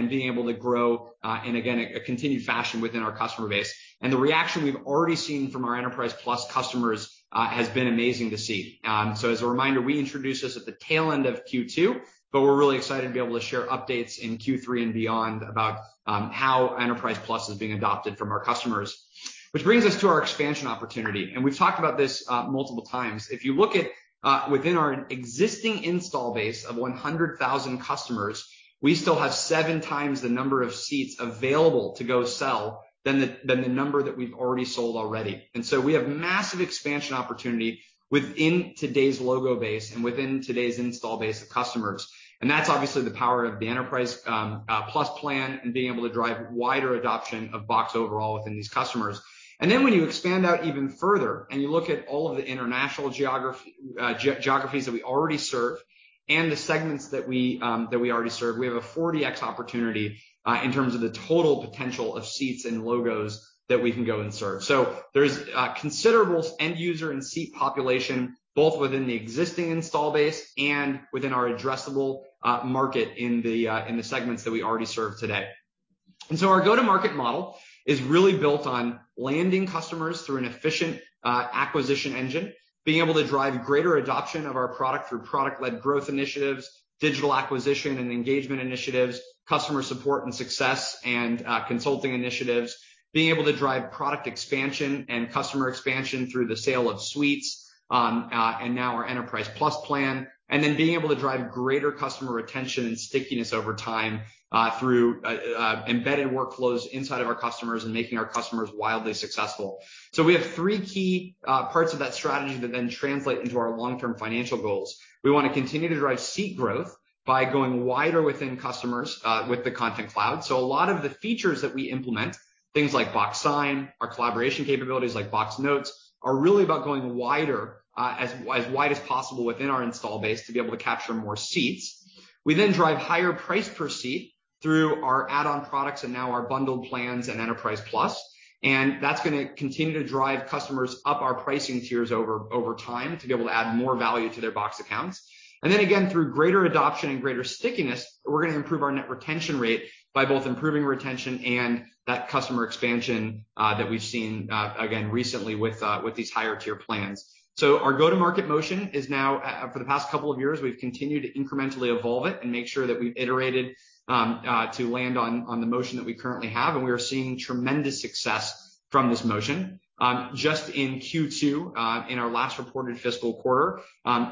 being able to grow in, again, a continued fashion within our customer base. The reaction we've already seen from our Enterprise Plus customers has been amazing to see. As a reminder, we introduced this at the tail end of Q2, but we're really excited to be able to share updates in Q3 and beyond about how Enterprise Plus is being adopted from our customers. Which brings us to our expansion opportunity, and we've talked about this multiple times. If you look at within our existing install base of 100,000 customers, we still have seven times the number of seats available to go sell than the number that we've already sold. We have massive expansion opportunity within today's logo base and within today's install base of customers. That's obviously the power of the Enterprise Plus plan and being able to drive wider adoption of Box overall within these customers. When you expand out even further and you look at all of the international geographies that we already serve and the segments that we already serve, we have a 40x opportunity in terms of the total potential of seats and logos that we can go and serve. There's considerable end user and seat population, both within the existing install base and within our addressable market in the segments that we already serve today. Our go-to-market model is really built on landing customers through an efficient acquisition engine, being able to drive greater adoption of our product through product-led growth initiatives, digital acquisition and engagement initiatives, customer support and success and consulting initiatives, being able to drive product expansion and customer expansion through the sale of suites, and now our Enterprise Plus plan, being able to drive greater customer retention and stickiness over time through embedded workflows inside of our customers and making our customers wildly successful. We have three key parts of that strategy that then translate into our long-term financial goals. We want to continue to drive seat growth by going wider within customers with the Content Cloud. A lot of the features that we implement, things like Box Sign, our collaboration capabilities like Box Notes, are really about going wider, as wide as possible within our install base to be able to capture more seats. We then drive higher price per seat through our add-on products and now our bundled plans and Enterprise Plus, and that's going to continue to drive customers up our pricing tiers over time to be able to add more value to their Box accounts. Then again, through greater adoption and greater stickiness, we're going to improve our net retention rate by both improving retention and that customer expansion that we've seen again, recently with these higher tier plans. Our go-to-market motion is now, for the past couple of years, we've continued to incrementally evolve it and make sure that we've iterated to land on the motion that we currently have, and we are seeing tremendous success from this motion. Just in Q2, in our last reported fiscal quarter,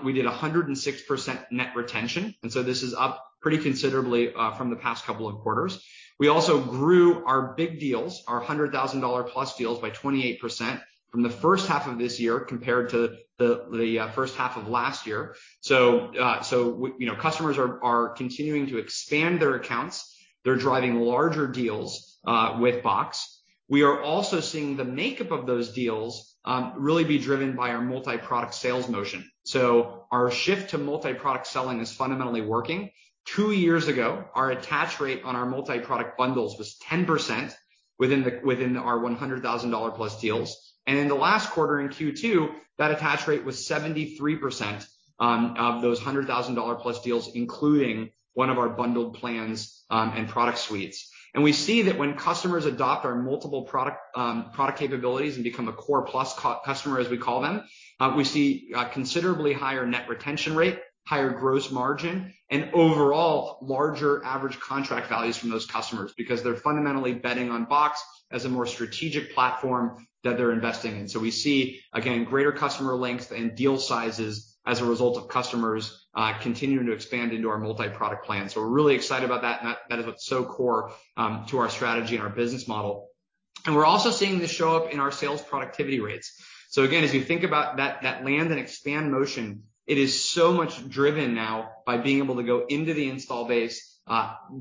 we did 106% net retention, this is up pretty considerably from the past couple of quarters. We also grew our big deals, our $100,000+ deals, by 28% from the first half of this year compared to the first half of last year. Customers are continuing to expand their accounts. They're driving larger deals with Box. We are also seeing the makeup of those deals really be driven by our multi-product sales motion. Our shift to multi-product selling is fundamentally working. Two years ago, our attach rate on our multi-product bundles was 10% within our $100,000+ deals. In the last quarter, in Q2, that attach rate was 73% of those $100,000+ deals, including one of our bundled plans and product suites. We see that when customers adopt our multiple product capabilities and become a core plus customer, as we call them, we see a considerably higher net retention rate, higher gross margin, and overall larger average contract values from those customers because they're fundamentally betting on Box as a more strategic platform that they're investing in. We see, again, greater customer length and deal sizes as a result of customers continuing to expand into our multi-product plan. We're really excited about that, and that is what's so core to our strategy and our business model. We're also seeing this show up in our sales productivity rates. Again, as you think about that land and expand motion, it is so much driven now by being able to go into the install base,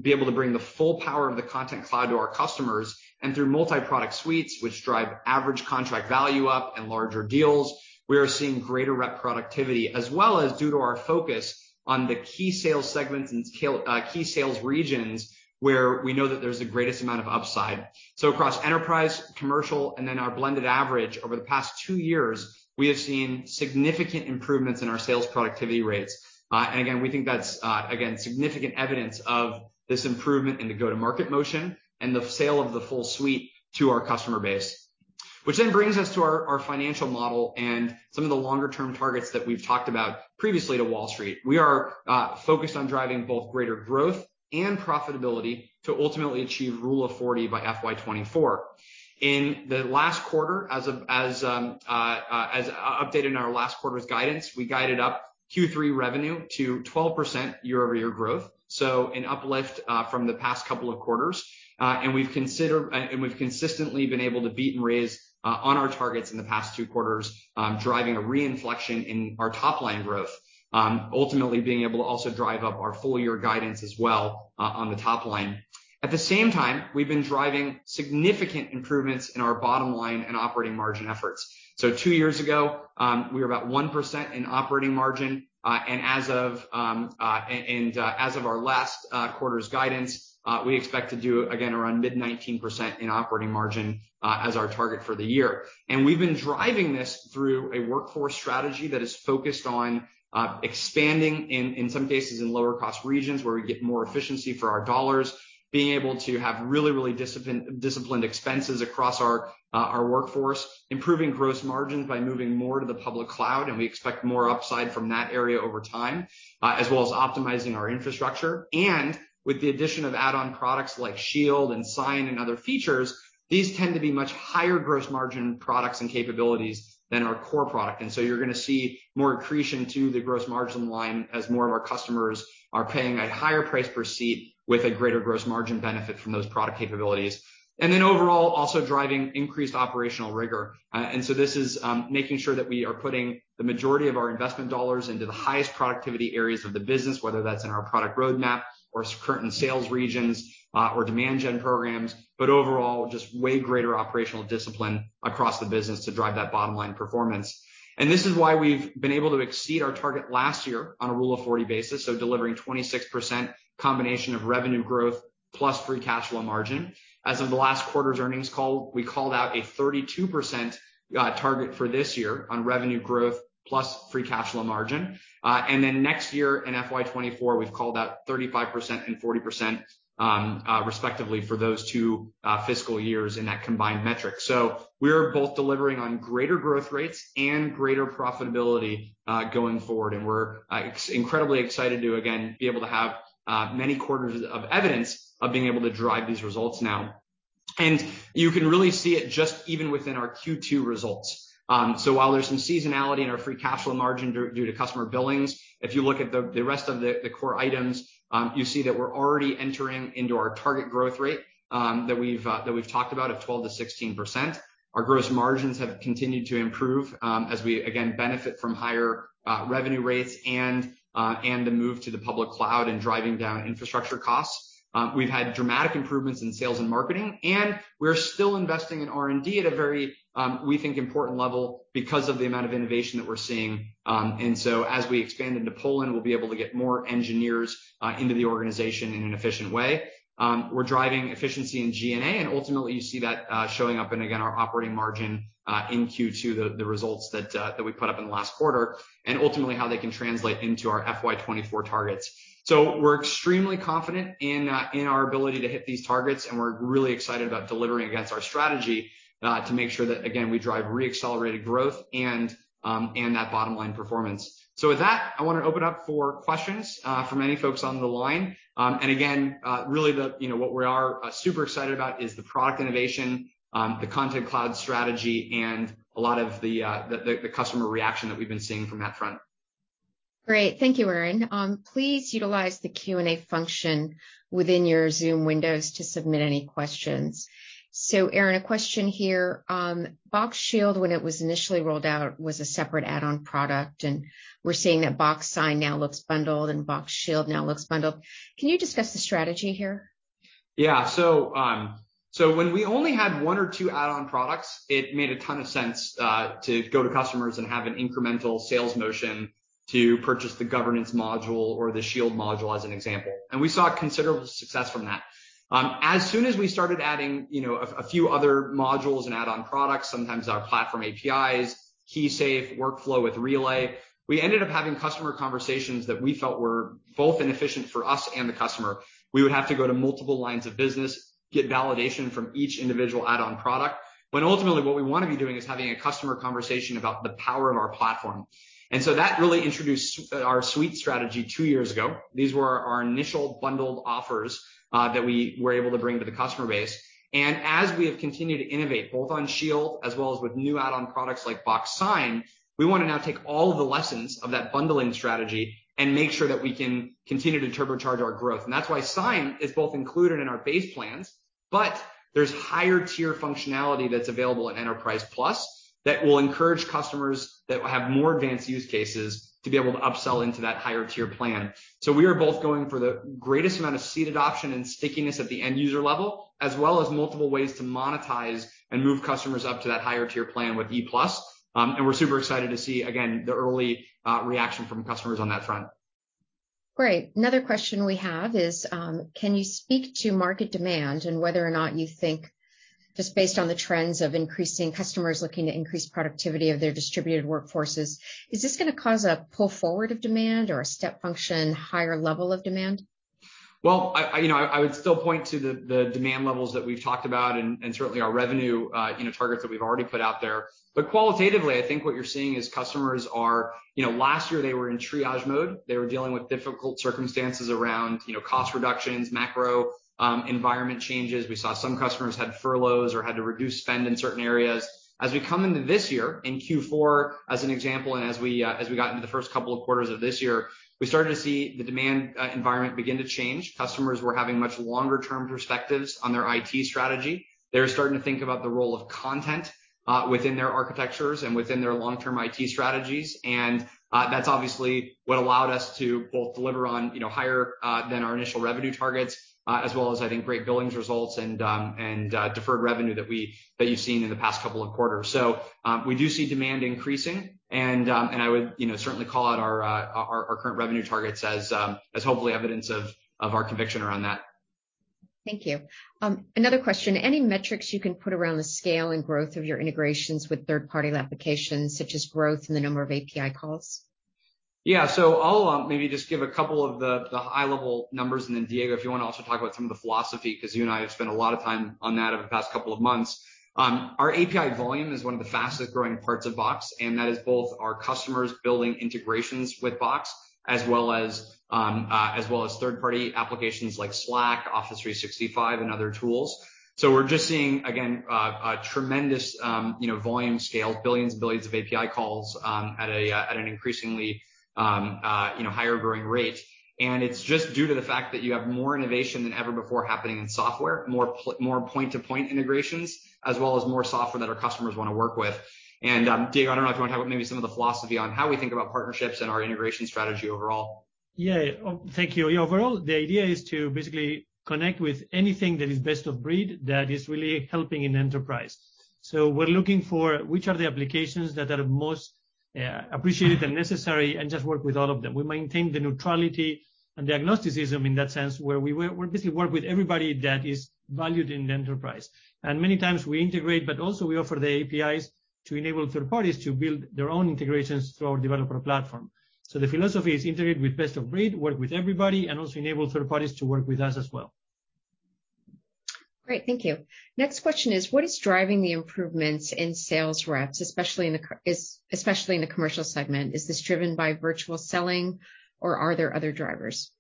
be able to bring the full power of the Content Cloud to our customers, and through multi-product suites, which drive average contract value up and larger deals. We are seeing greater rep productivity, as well as due to our focus on the key sales segments and key sales regions where we know that there's the greatest amount of upside. Across enterprise, commercial, and then our blended average, over the past two years, we have seen significant improvements in our sales productivity rates. Again, we think that's significant evidence of this improvement in the go-to-market motion and the sale of the full suite to our customer base. Which brings us to our financial model and some of the longer-term targets that we've talked about previously to Wall Street. We are focused on driving both greater growth and profitability to ultimately achieve Rule of 40 by FY 2024. In the last quarter, as updated in our last quarter's guidance, we guided up Q3 revenue to 12% year-over-year growth, so an uplift from the past couple of quarters. We've consistently been able to beat and raise on our targets in the past two quarters, driving a re-infection in our top-line growth, ultimately being able to also drive up our full-year guidance as well on the top line. At the same time, we've been driving significant improvements in our bottom line and operating margin efforts. Two years ago, we were about 1% in operating margin, and as of our last quarter's guidance, we expect to do again around mid-19% in operating margin as our target for the year. We've been driving this through a workforce strategy that is focused on expanding, in some cases, in lower cost regions where we get more efficiency for our dollars, being able to have really disciplined expenses across our workforce, improving gross margins by moving more to the public cloud, and we expect more upside from that area over time, as well as optimizing our infrastructure. With the addition of add-on products like Shield and Sign and other features, these tend to be much higher gross margin products and capabilities than our core product. You're going to see more accretion to the gross margin line as more of our customers are paying a higher price per seat with a greater gross margin benefit from those product capabilities. Overall, also driving increased operational rigor. This is making sure that we are putting the majority of our investment dollars into the highest productivity areas of the business, whether that's in our product roadmap or certain sales regions or demand gen programs. Overall, just way greater operational discipline across the business to drive that bottom-line performance. This is why we've been able to exceed our target last year on a Rule of 40 basis, so delivering 26% combination of revenue growth plus free cash flow margin. As of the last quarter's earnings call, we called out a 32% target for this year on revenue growth plus free cash flow margin. Next year, in FY 2024, we've called out 35% and 40% respectively for those two fiscal years in that combined metric. We're both delivering on greater growth rates and greater profitability going forward, and we're incredibly excited to, again, be able to have many quarters of evidence of being able to drive these results now. You can really see it just even within our Q2 results. While there's some seasonality in our free cash flow margin due to customer billings, if you look at the rest of the core items, you see that we're already entering into our target growth rate that we've talked about of 12%-16%. Our gross margins have continued to improve as we, again, benefit from higher revenue rates and the move to the public cloud and driving down infrastructure costs. We've had dramatic improvements in sales and marketing, and we're still investing in R&D at a very, we think, important level because of the amount of innovation that we're seeing. As we expand into Poland, we'll be able to get more engineers into the organization in an efficient way. We're driving efficiency in G&A, and ultimately, you see that showing up in, again, our operating margin in Q2, the results that we put up in the last quarter, and ultimately how they can translate into our FY 2024 targets. We're extremely confident in our ability to hit these targets, and we're really excited about delivering against our strategy to make sure that, again, we drive re-accelerated growth and that bottom-line performance. With that, I want to open up for questions from any folks on the line. Again, really what we are super excited about is the product innovation, the Content Cloud strategy, and a lot of the customer reaction that we've been seeing from that front. Great. Thank you, Aaron. Please utilize the Q&A function within your Zoom windows to submit any questions. Aaron, a question here. Box Shield, when it was initially rolled out, was a separate add-on product, and we're seeing that Box Sign now looks bundled and Box Shield now looks bundled. Can you discuss the strategy here? When we only had one or two add-on products, it made a ton of sense to go to customers and have an incremental sales motion to purchase the Governance module or the Shield module, as an example. We saw considerable success from that. As soon as we started adding a few other modules and add-on products, sometimes our platform APIs, KeySafe, Workflow with Relay, we ended up having customer conversations that we felt were both inefficient for us and the customer. We would have to go to multiple lines of business, get validation from each individual add-on product, when ultimately what we want to be doing is having a customer conversation about the power of our platform. That really introduced our suite strategy two years ago. These were our initial bundled offers that we were able to bring to the customer base. As we have continued to innovate, both on Shield as well as with new add-on products like Box Sign, we want to now take all of the lessons of that bundling strategy and make sure that we can continue to turbocharge our growth. That's why Sign is both included in our base plans, but there's higher tier functionality that's available in Enterprise Plus that will encourage customers that have more advanced use cases to be able to upsell into that higher tier plan. We are both going for the greatest amount of seat adoption and stickiness at the end user level, as well as multiple ways to monetize and move customers up to that higher tier plan with E Plus. We're super excited to see, again, the early reaction from customers on that front. Great. Another question we have is, can you speak to market demand and whether or not you think just based on the trends of increasing customers looking to increase productivity of their distributed workforces, is this going to cause a pull forward of demand or a step function higher level of demand? I would still point to the demand levels that we've talked about and certainly our revenue targets that we've already put out there. Qualitatively, I think what you're seeing is customers are Last year they were in triage mode. They were dealing with difficult circumstances around cost reductions, macro environment changes. We saw some customers had furloughs or had to reduce spend in certain areas. As we come into this year, in Q4 as an example, and as we got into the first couple quarters of this year, we started to see the demand environment begin to change. Customers were having much longer term perspectives on their IT strategy. They were starting to think about the role of content within their architectures and within their long-term IT strategies, that's obviously what allowed us to both deliver on higher than our initial revenue targets, as well as I think great billings results and deferred revenue that you've seen in the past couple of quarters. We do see demand increasing, and I would certainly call out our current revenue targets as hopefully evidence of our conviction around that. Thank you. Another question, any metrics you can put around the scale and growth of your integrations with third-party applications, such as growth in the number of API calls? Yeah. I'll maybe just give a couple of the high level numbers and then, Diego, if you want to also talk about some of the philosophy, because you and I have spent a lot of time on that over the past couple of months. Our API volume is one of the fastest growing parts of Box, and that is both our customers building integrations with Box, as well as third-party applications like Slack, Office 365, and other tools. We're just seeing, again, a tremendous volume scale, billions and billions of API calls at an increasingly higher growing rate, and it's just due to the fact that you have more innovation than ever before happening in software, more point-to-point integrations, as well as more software that our customers want to work with. Diego, I don't know if you want to talk about maybe some of the philosophy on how we think about partnerships and our integration strategy overall. Yeah. Thank you. Overall, the idea is to basically connect with anything that is best of breed that is really helping in enterprise. We're looking for which are the applications that are most appreciated and necessary and just work with all of them. We maintain the neutrality and the agnosticism in that sense, where we basically work with everybody that is valued in the enterprise. Many times we integrate, but also we offer the APIs to enable third parties to build their own integrations through our developer platform. The philosophy is integrate with best of breed, work with everybody, and also enable third parties to work with us as well. Great, thank you. Next question is, what is driving the improvements in sales reps, especially in the commercial segment? Is this driven by virtual selling or are there other drivers?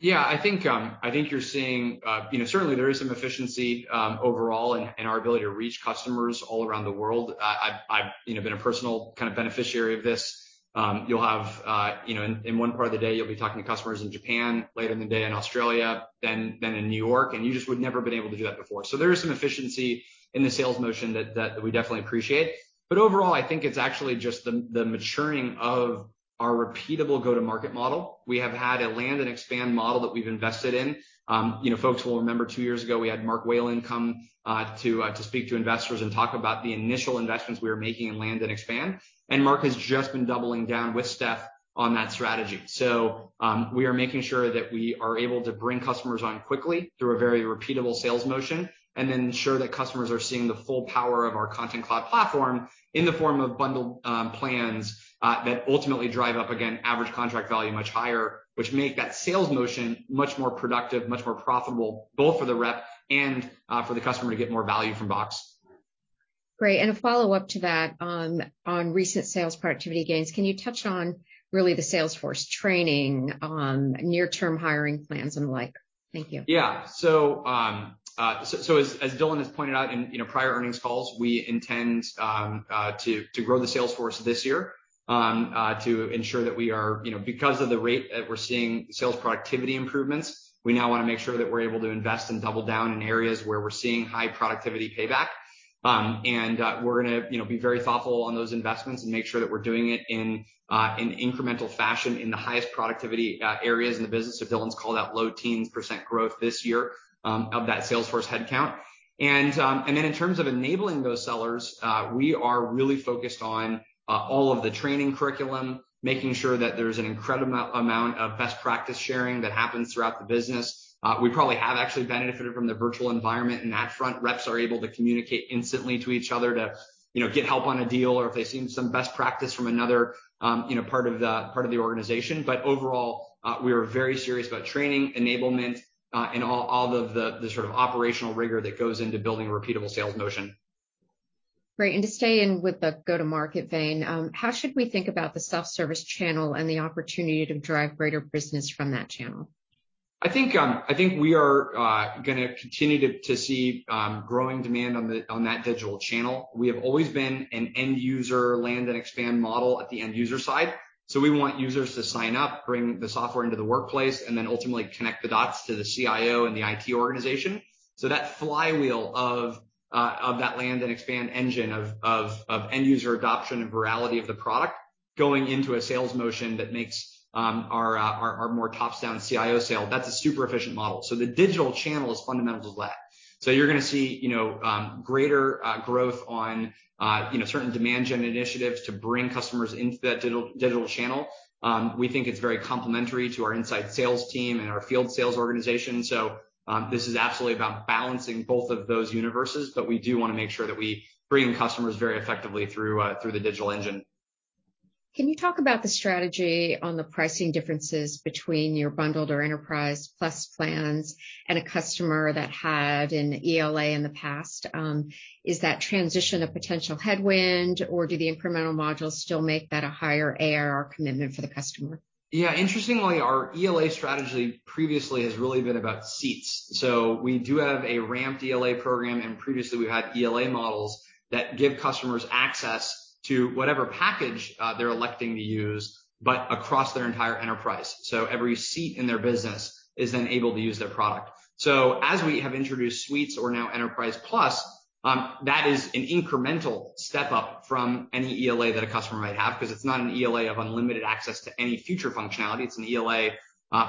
I think you're seeing certainly there is some efficiency overall in our ability to reach customers all around the world. I've been a personal beneficiary of this. In one part of the day you'll be talking to customers in Japan, later in the day in Australia, then in New York, you just would never have been able to do that before. There is some efficiency in the sales motion that we definitely appreciate. Overall, I think it's actually just the maturing of our repeatable go-to-market model. We have had a land and expand model that we've invested in. Folks will remember two years ago, we had Mark Wayland come to speak to investors and talk about the initial investments we were making in land and expand, Mark has just been doubling down with Steph on that strategy. We are making sure that we are able to bring customers on quickly through a very repeatable sales motion, and then ensure that customers are seeing the full power of our Content Cloud platform in the form of bundled plans that ultimately drive up, again, average contract value much higher, which make that sales motion much more productive, much more profitable, both for the rep and for the customer to get more value from Box. Great. A follow-up to that on recent sales productivity gains, can you touch on really the sales force training, near-term hiring plans, and the like? Thank you. Yeah. As Diego has pointed out in prior earnings calls, we intend to grow the sales force this year to ensure that Because of the rate that we're seeing sales productivity improvements, we now want to make sure that we're able to invest and double down in areas where we're seeing high productivity payback. And we're going to be very thoughtful on those investments and make sure that we're doing it in incremental fashion in the highest productivity areas in the business. Diego called out low teens percent growth this year of that sales force headcount. In terms of enabling those sellers, we are really focused on all of the training curriculum, making sure that there's an incredible amount of best practice sharing that happens throughout the business. We probably have actually benefited from the virtual environment in that front. Reps are able to communicate instantly to each other to get help on a deal or if they've seen some best practice from another part of the organization. Overall, we are very serious about training, enablement, and all of the sort of operational rigor that goes into building a repeatable sales motion. Great. To stay in with the go-to-market vein, how should we think about the self-service channel and the opportunity to drive greater business from that channel? I think we are going to continue to see growing demand on that digital channel. We have always been an end user land and expand model at the end user side. We want users to sign up, bring the software into the workplace, and then ultimately connect the dots to the CIO and the IT organization. That flywheel of that land and expand engine of end user adoption and virality of the product going into a sales motion that makes our more top-down CIO sale, that's a super efficient model. The digital channel is fundamental to that. You're going to see greater growth on certain demand gen initiatives to bring customers into that digital channel. We think it's very complementary to our inside sales team and our field sales organization. This is absolutely about balancing both of those universes, but we do want to make sure that we bring customers very effectively through the digital engine. Can you talk about the strategy on the pricing differences between your bundled or Enterprise Plus plans and a customer that had an ELA in the past? Is that transition a potential headwind, or do the incremental modules still make that a higher ARR commitment for the customer? Interestingly, our ELA strategy previously has really been about seats. We do have a ramped ELA program, and previously we've had ELA models that give customers access to whatever package they're electing to use, but across their entire enterprise. Every seat in their business is then able to use their product. As we have introduced Suites or now Enterprise Plus, that is an incremental step up from any ELA that a customer might have because it's not an ELA of unlimited access to any future functionality. It's an ELA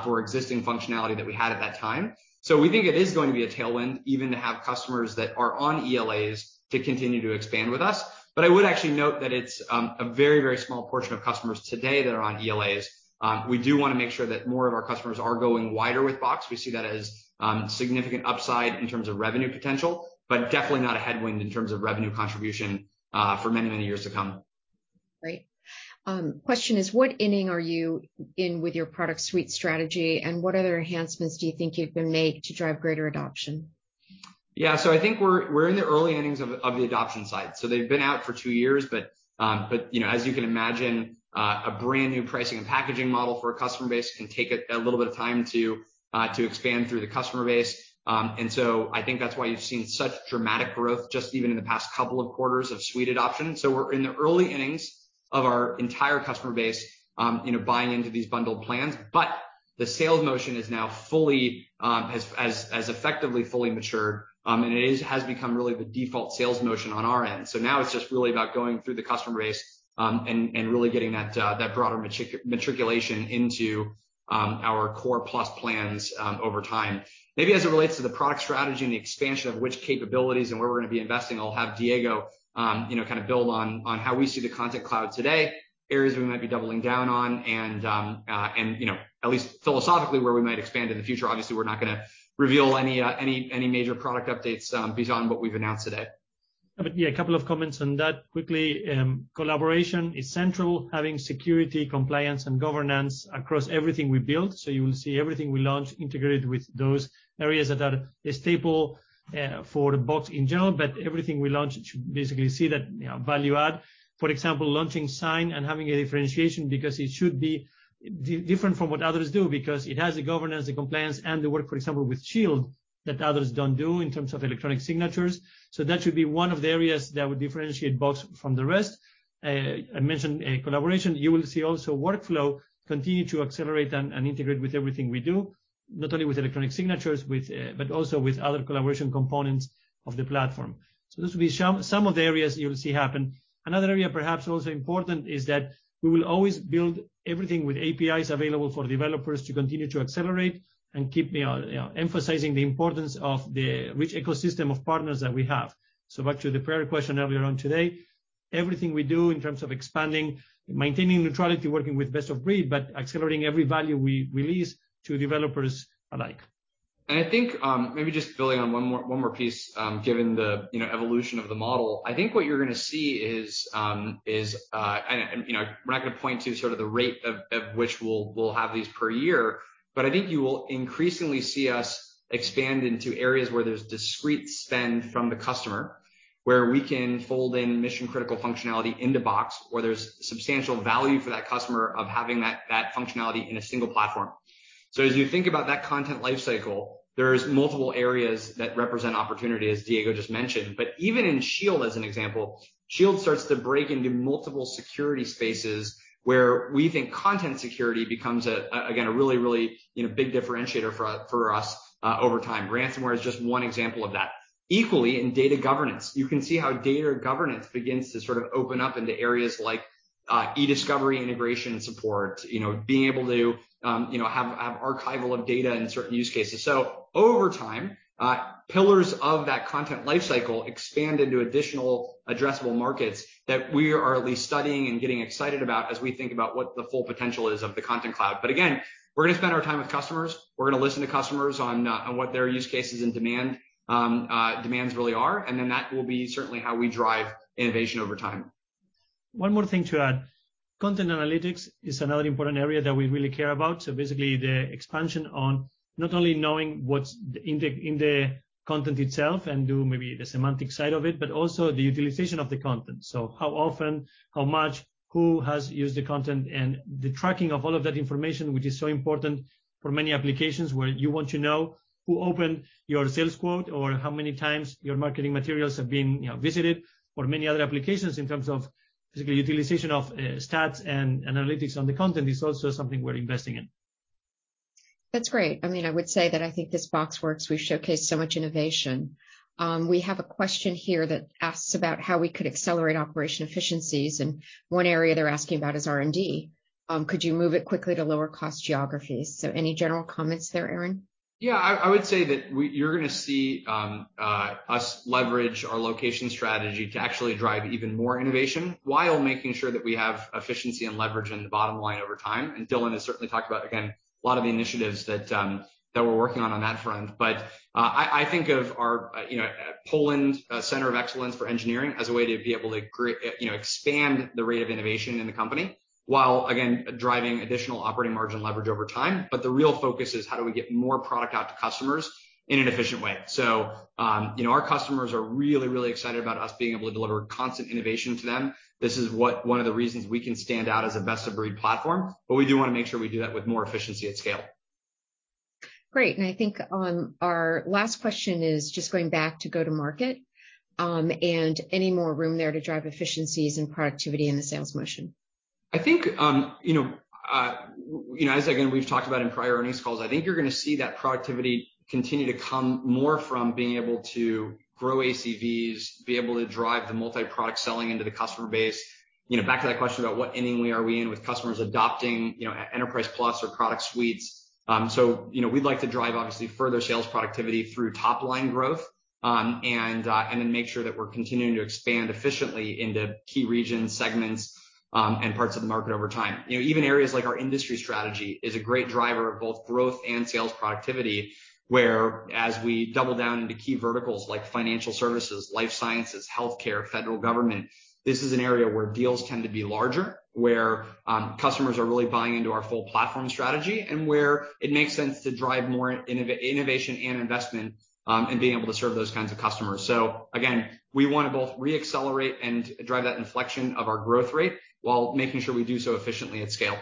for existing functionality that we had at that time. We think it is going to be a tailwind even to have customers that are on ELAs to continue to expand with us. I would actually note that it's a very small portion of customers today that are on ELAs. We do want to make sure that more of our customers are going wider with Box. We see that as significant upside in terms of revenue potential, definitely not a headwind in terms of revenue contribution for many years to come. Great. Question is, what inning are you in with your product suite strategy, and what other enhancements do you think you can make to drive greater adoption? I think we're in the early innings of the adoption side. They've been out for two years, but as you can imagine, a brand-new pricing and packaging model for a customer base can take a little bit of time to expand through the customer base. I think that's why you've seen such dramatic growth just even in the past couple of quarters of suite adoption. We're in the early innings of our entire customer base buying into these bundled plans. The sales motion has effectively fully matured, and it has become really the default sales motion on our end. Now it's just really about going through the customer base and really getting that broader matriculation into our core Plus plans over time. Maybe as it relates to the product strategy and the expansion of which capabilities and where we're going to be investing, I'll have Diego build on how we see the Content Cloud today, areas we might be doubling down on, and at least philosophically, where we might expand in the future. Obviously, we're not going to reveal any major product updates beyond what we've announced today. Yeah, a couple of comments on that quickly. Collaboration is central, having security, compliance, and governance across everything we build. You will see everything we launch integrated with those areas that are staple for Box in general, but everything we launch, it should basically see that value add. For example, launching Sign and having a differentiation because it should be different from what others do, because it has the governance, the compliance, and the work, for example, with Shield that others don't do in terms of electronic signatures. That should be one of the areas that would differentiate Box from the rest. I mentioned collaboration. You will see also Workflow continue to accelerate and integrate with everything we do, not only with electronic signatures, but also with other collaboration components of the platform. Those will be some of the areas you'll see happen. Another area perhaps also important is that we will always build everything with APIs available for developers to continue to accelerate and keep emphasizing the importance of the rich ecosystem of partners that we have. Back to the prior question earlier on today, everything we do in terms of expanding, maintaining neutrality, working with best of breed, but accelerating every value we release to developers alike. I think maybe just building on one more piece, given the evolution of the model, I think what you're going to see is, and we're not going to point to sort of the rate at which we'll have these per year, but I think you will increasingly see us expand into areas where there's discrete spend from the customer, where we can fold in mission-critical functionality into Box, where there's substantial value for that customer of having that functionality in a single platform. As you think about that content life cycle, there's multiple areas that represent opportunity, as Diego just mentioned. Even in Shield, as an example, Shield starts to break into multiple security spaces where we think content security becomes, again, a really big differentiator for us over time. Ransomware is just one example of that. Equally, in data governance, you can see how data governance begins to sort of open up into areas like E-discovery integration and support, being able to have archival of data in certain use cases. Over time, pillars of that content lifecycle expand into additional addressable markets that we are at least studying and getting excited about as we think about what the full potential is of the Content Cloud. Again, we're going to spend our time with customers. We're going to listen to customers on what their use cases and demands really are, and then that will be certainly how we drive innovation over time. One more thing to add. Content analytics is another important area that we really care about. Basically, the expansion on not only knowing what's in the content itself and do maybe the semantic side of it, but also the utilization of the content. How often, how much, who has used the content, and the tracking of all of that information, which is so important for many applications where you want to know who opened your sales quote, or how many times your marketing materials have been visited, or many other applications in terms of basically utilization of stats and analytics on the content is also something we're investing in. That's great. I would say that I think this BoxWorks, we've showcased so much innovation. We have a question here that asks about how we could accelerate operation efficiencies, and one area they're asking about is R&D. Could you move it quickly to lower cost geographies? Any general comments there, Aaron? Yeah. I would say that you're going to see us leverage our location strategy to actually drive even more innovation while making sure that we have efficiency and leverage in the bottom line over time. And Diego has certainly talked about, again, a lot of the initiatives that we're working on that front. But I think of our Poland Center of Excellence for Engineering as a way to be able to expand the rate of innovation in the company, while again, driving additional operating margin leverage over time. But the real focus is how do we get more product out to customers in an efficient way. So our customers are really, really excited about us being able to deliver constant innovation to them. This is one of the reasons we can stand out as a best-of-breed platform, but we do want to make sure we do that with more efficiency at scale. Great. I think on our last question is just going back to go to market, and any more room there to drive efficiencies and productivity in the sales motion? I think, as again, we've talked about in prior earnings calls, I think you're going to see that productivity continue to come more from being able to grow ACVs, be able to drive the multi-product selling into the customer base. Back to that question about what inning we are in with customers adopting Enterprise Plus or product suites. We'd like to drive, obviously, further sales productivity through top-line growth, and then make sure that we're continuing to expand efficiently into key regions, segments, and parts of the market over time. Even areas like our industry strategy is a great driver of both growth and sales productivity, where as we double down into key verticals like financial services, life sciences, healthcare, federal government, this is an area where deals tend to be larger, where customers are really buying into our full platform strategy, and where it makes sense to drive more innovation and investment, and being able to serve those kinds of customers. Again, we want to both re-accelerate and drive that inflection of our growth rate while making sure we do so efficiently at scale.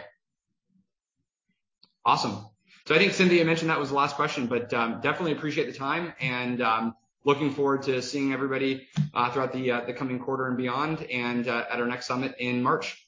Awesome. I think Cynthia mentioned that was the last question, but definitely appreciate the time and looking forward to seeing everybody throughout the coming quarter and beyond and at our next summit in March.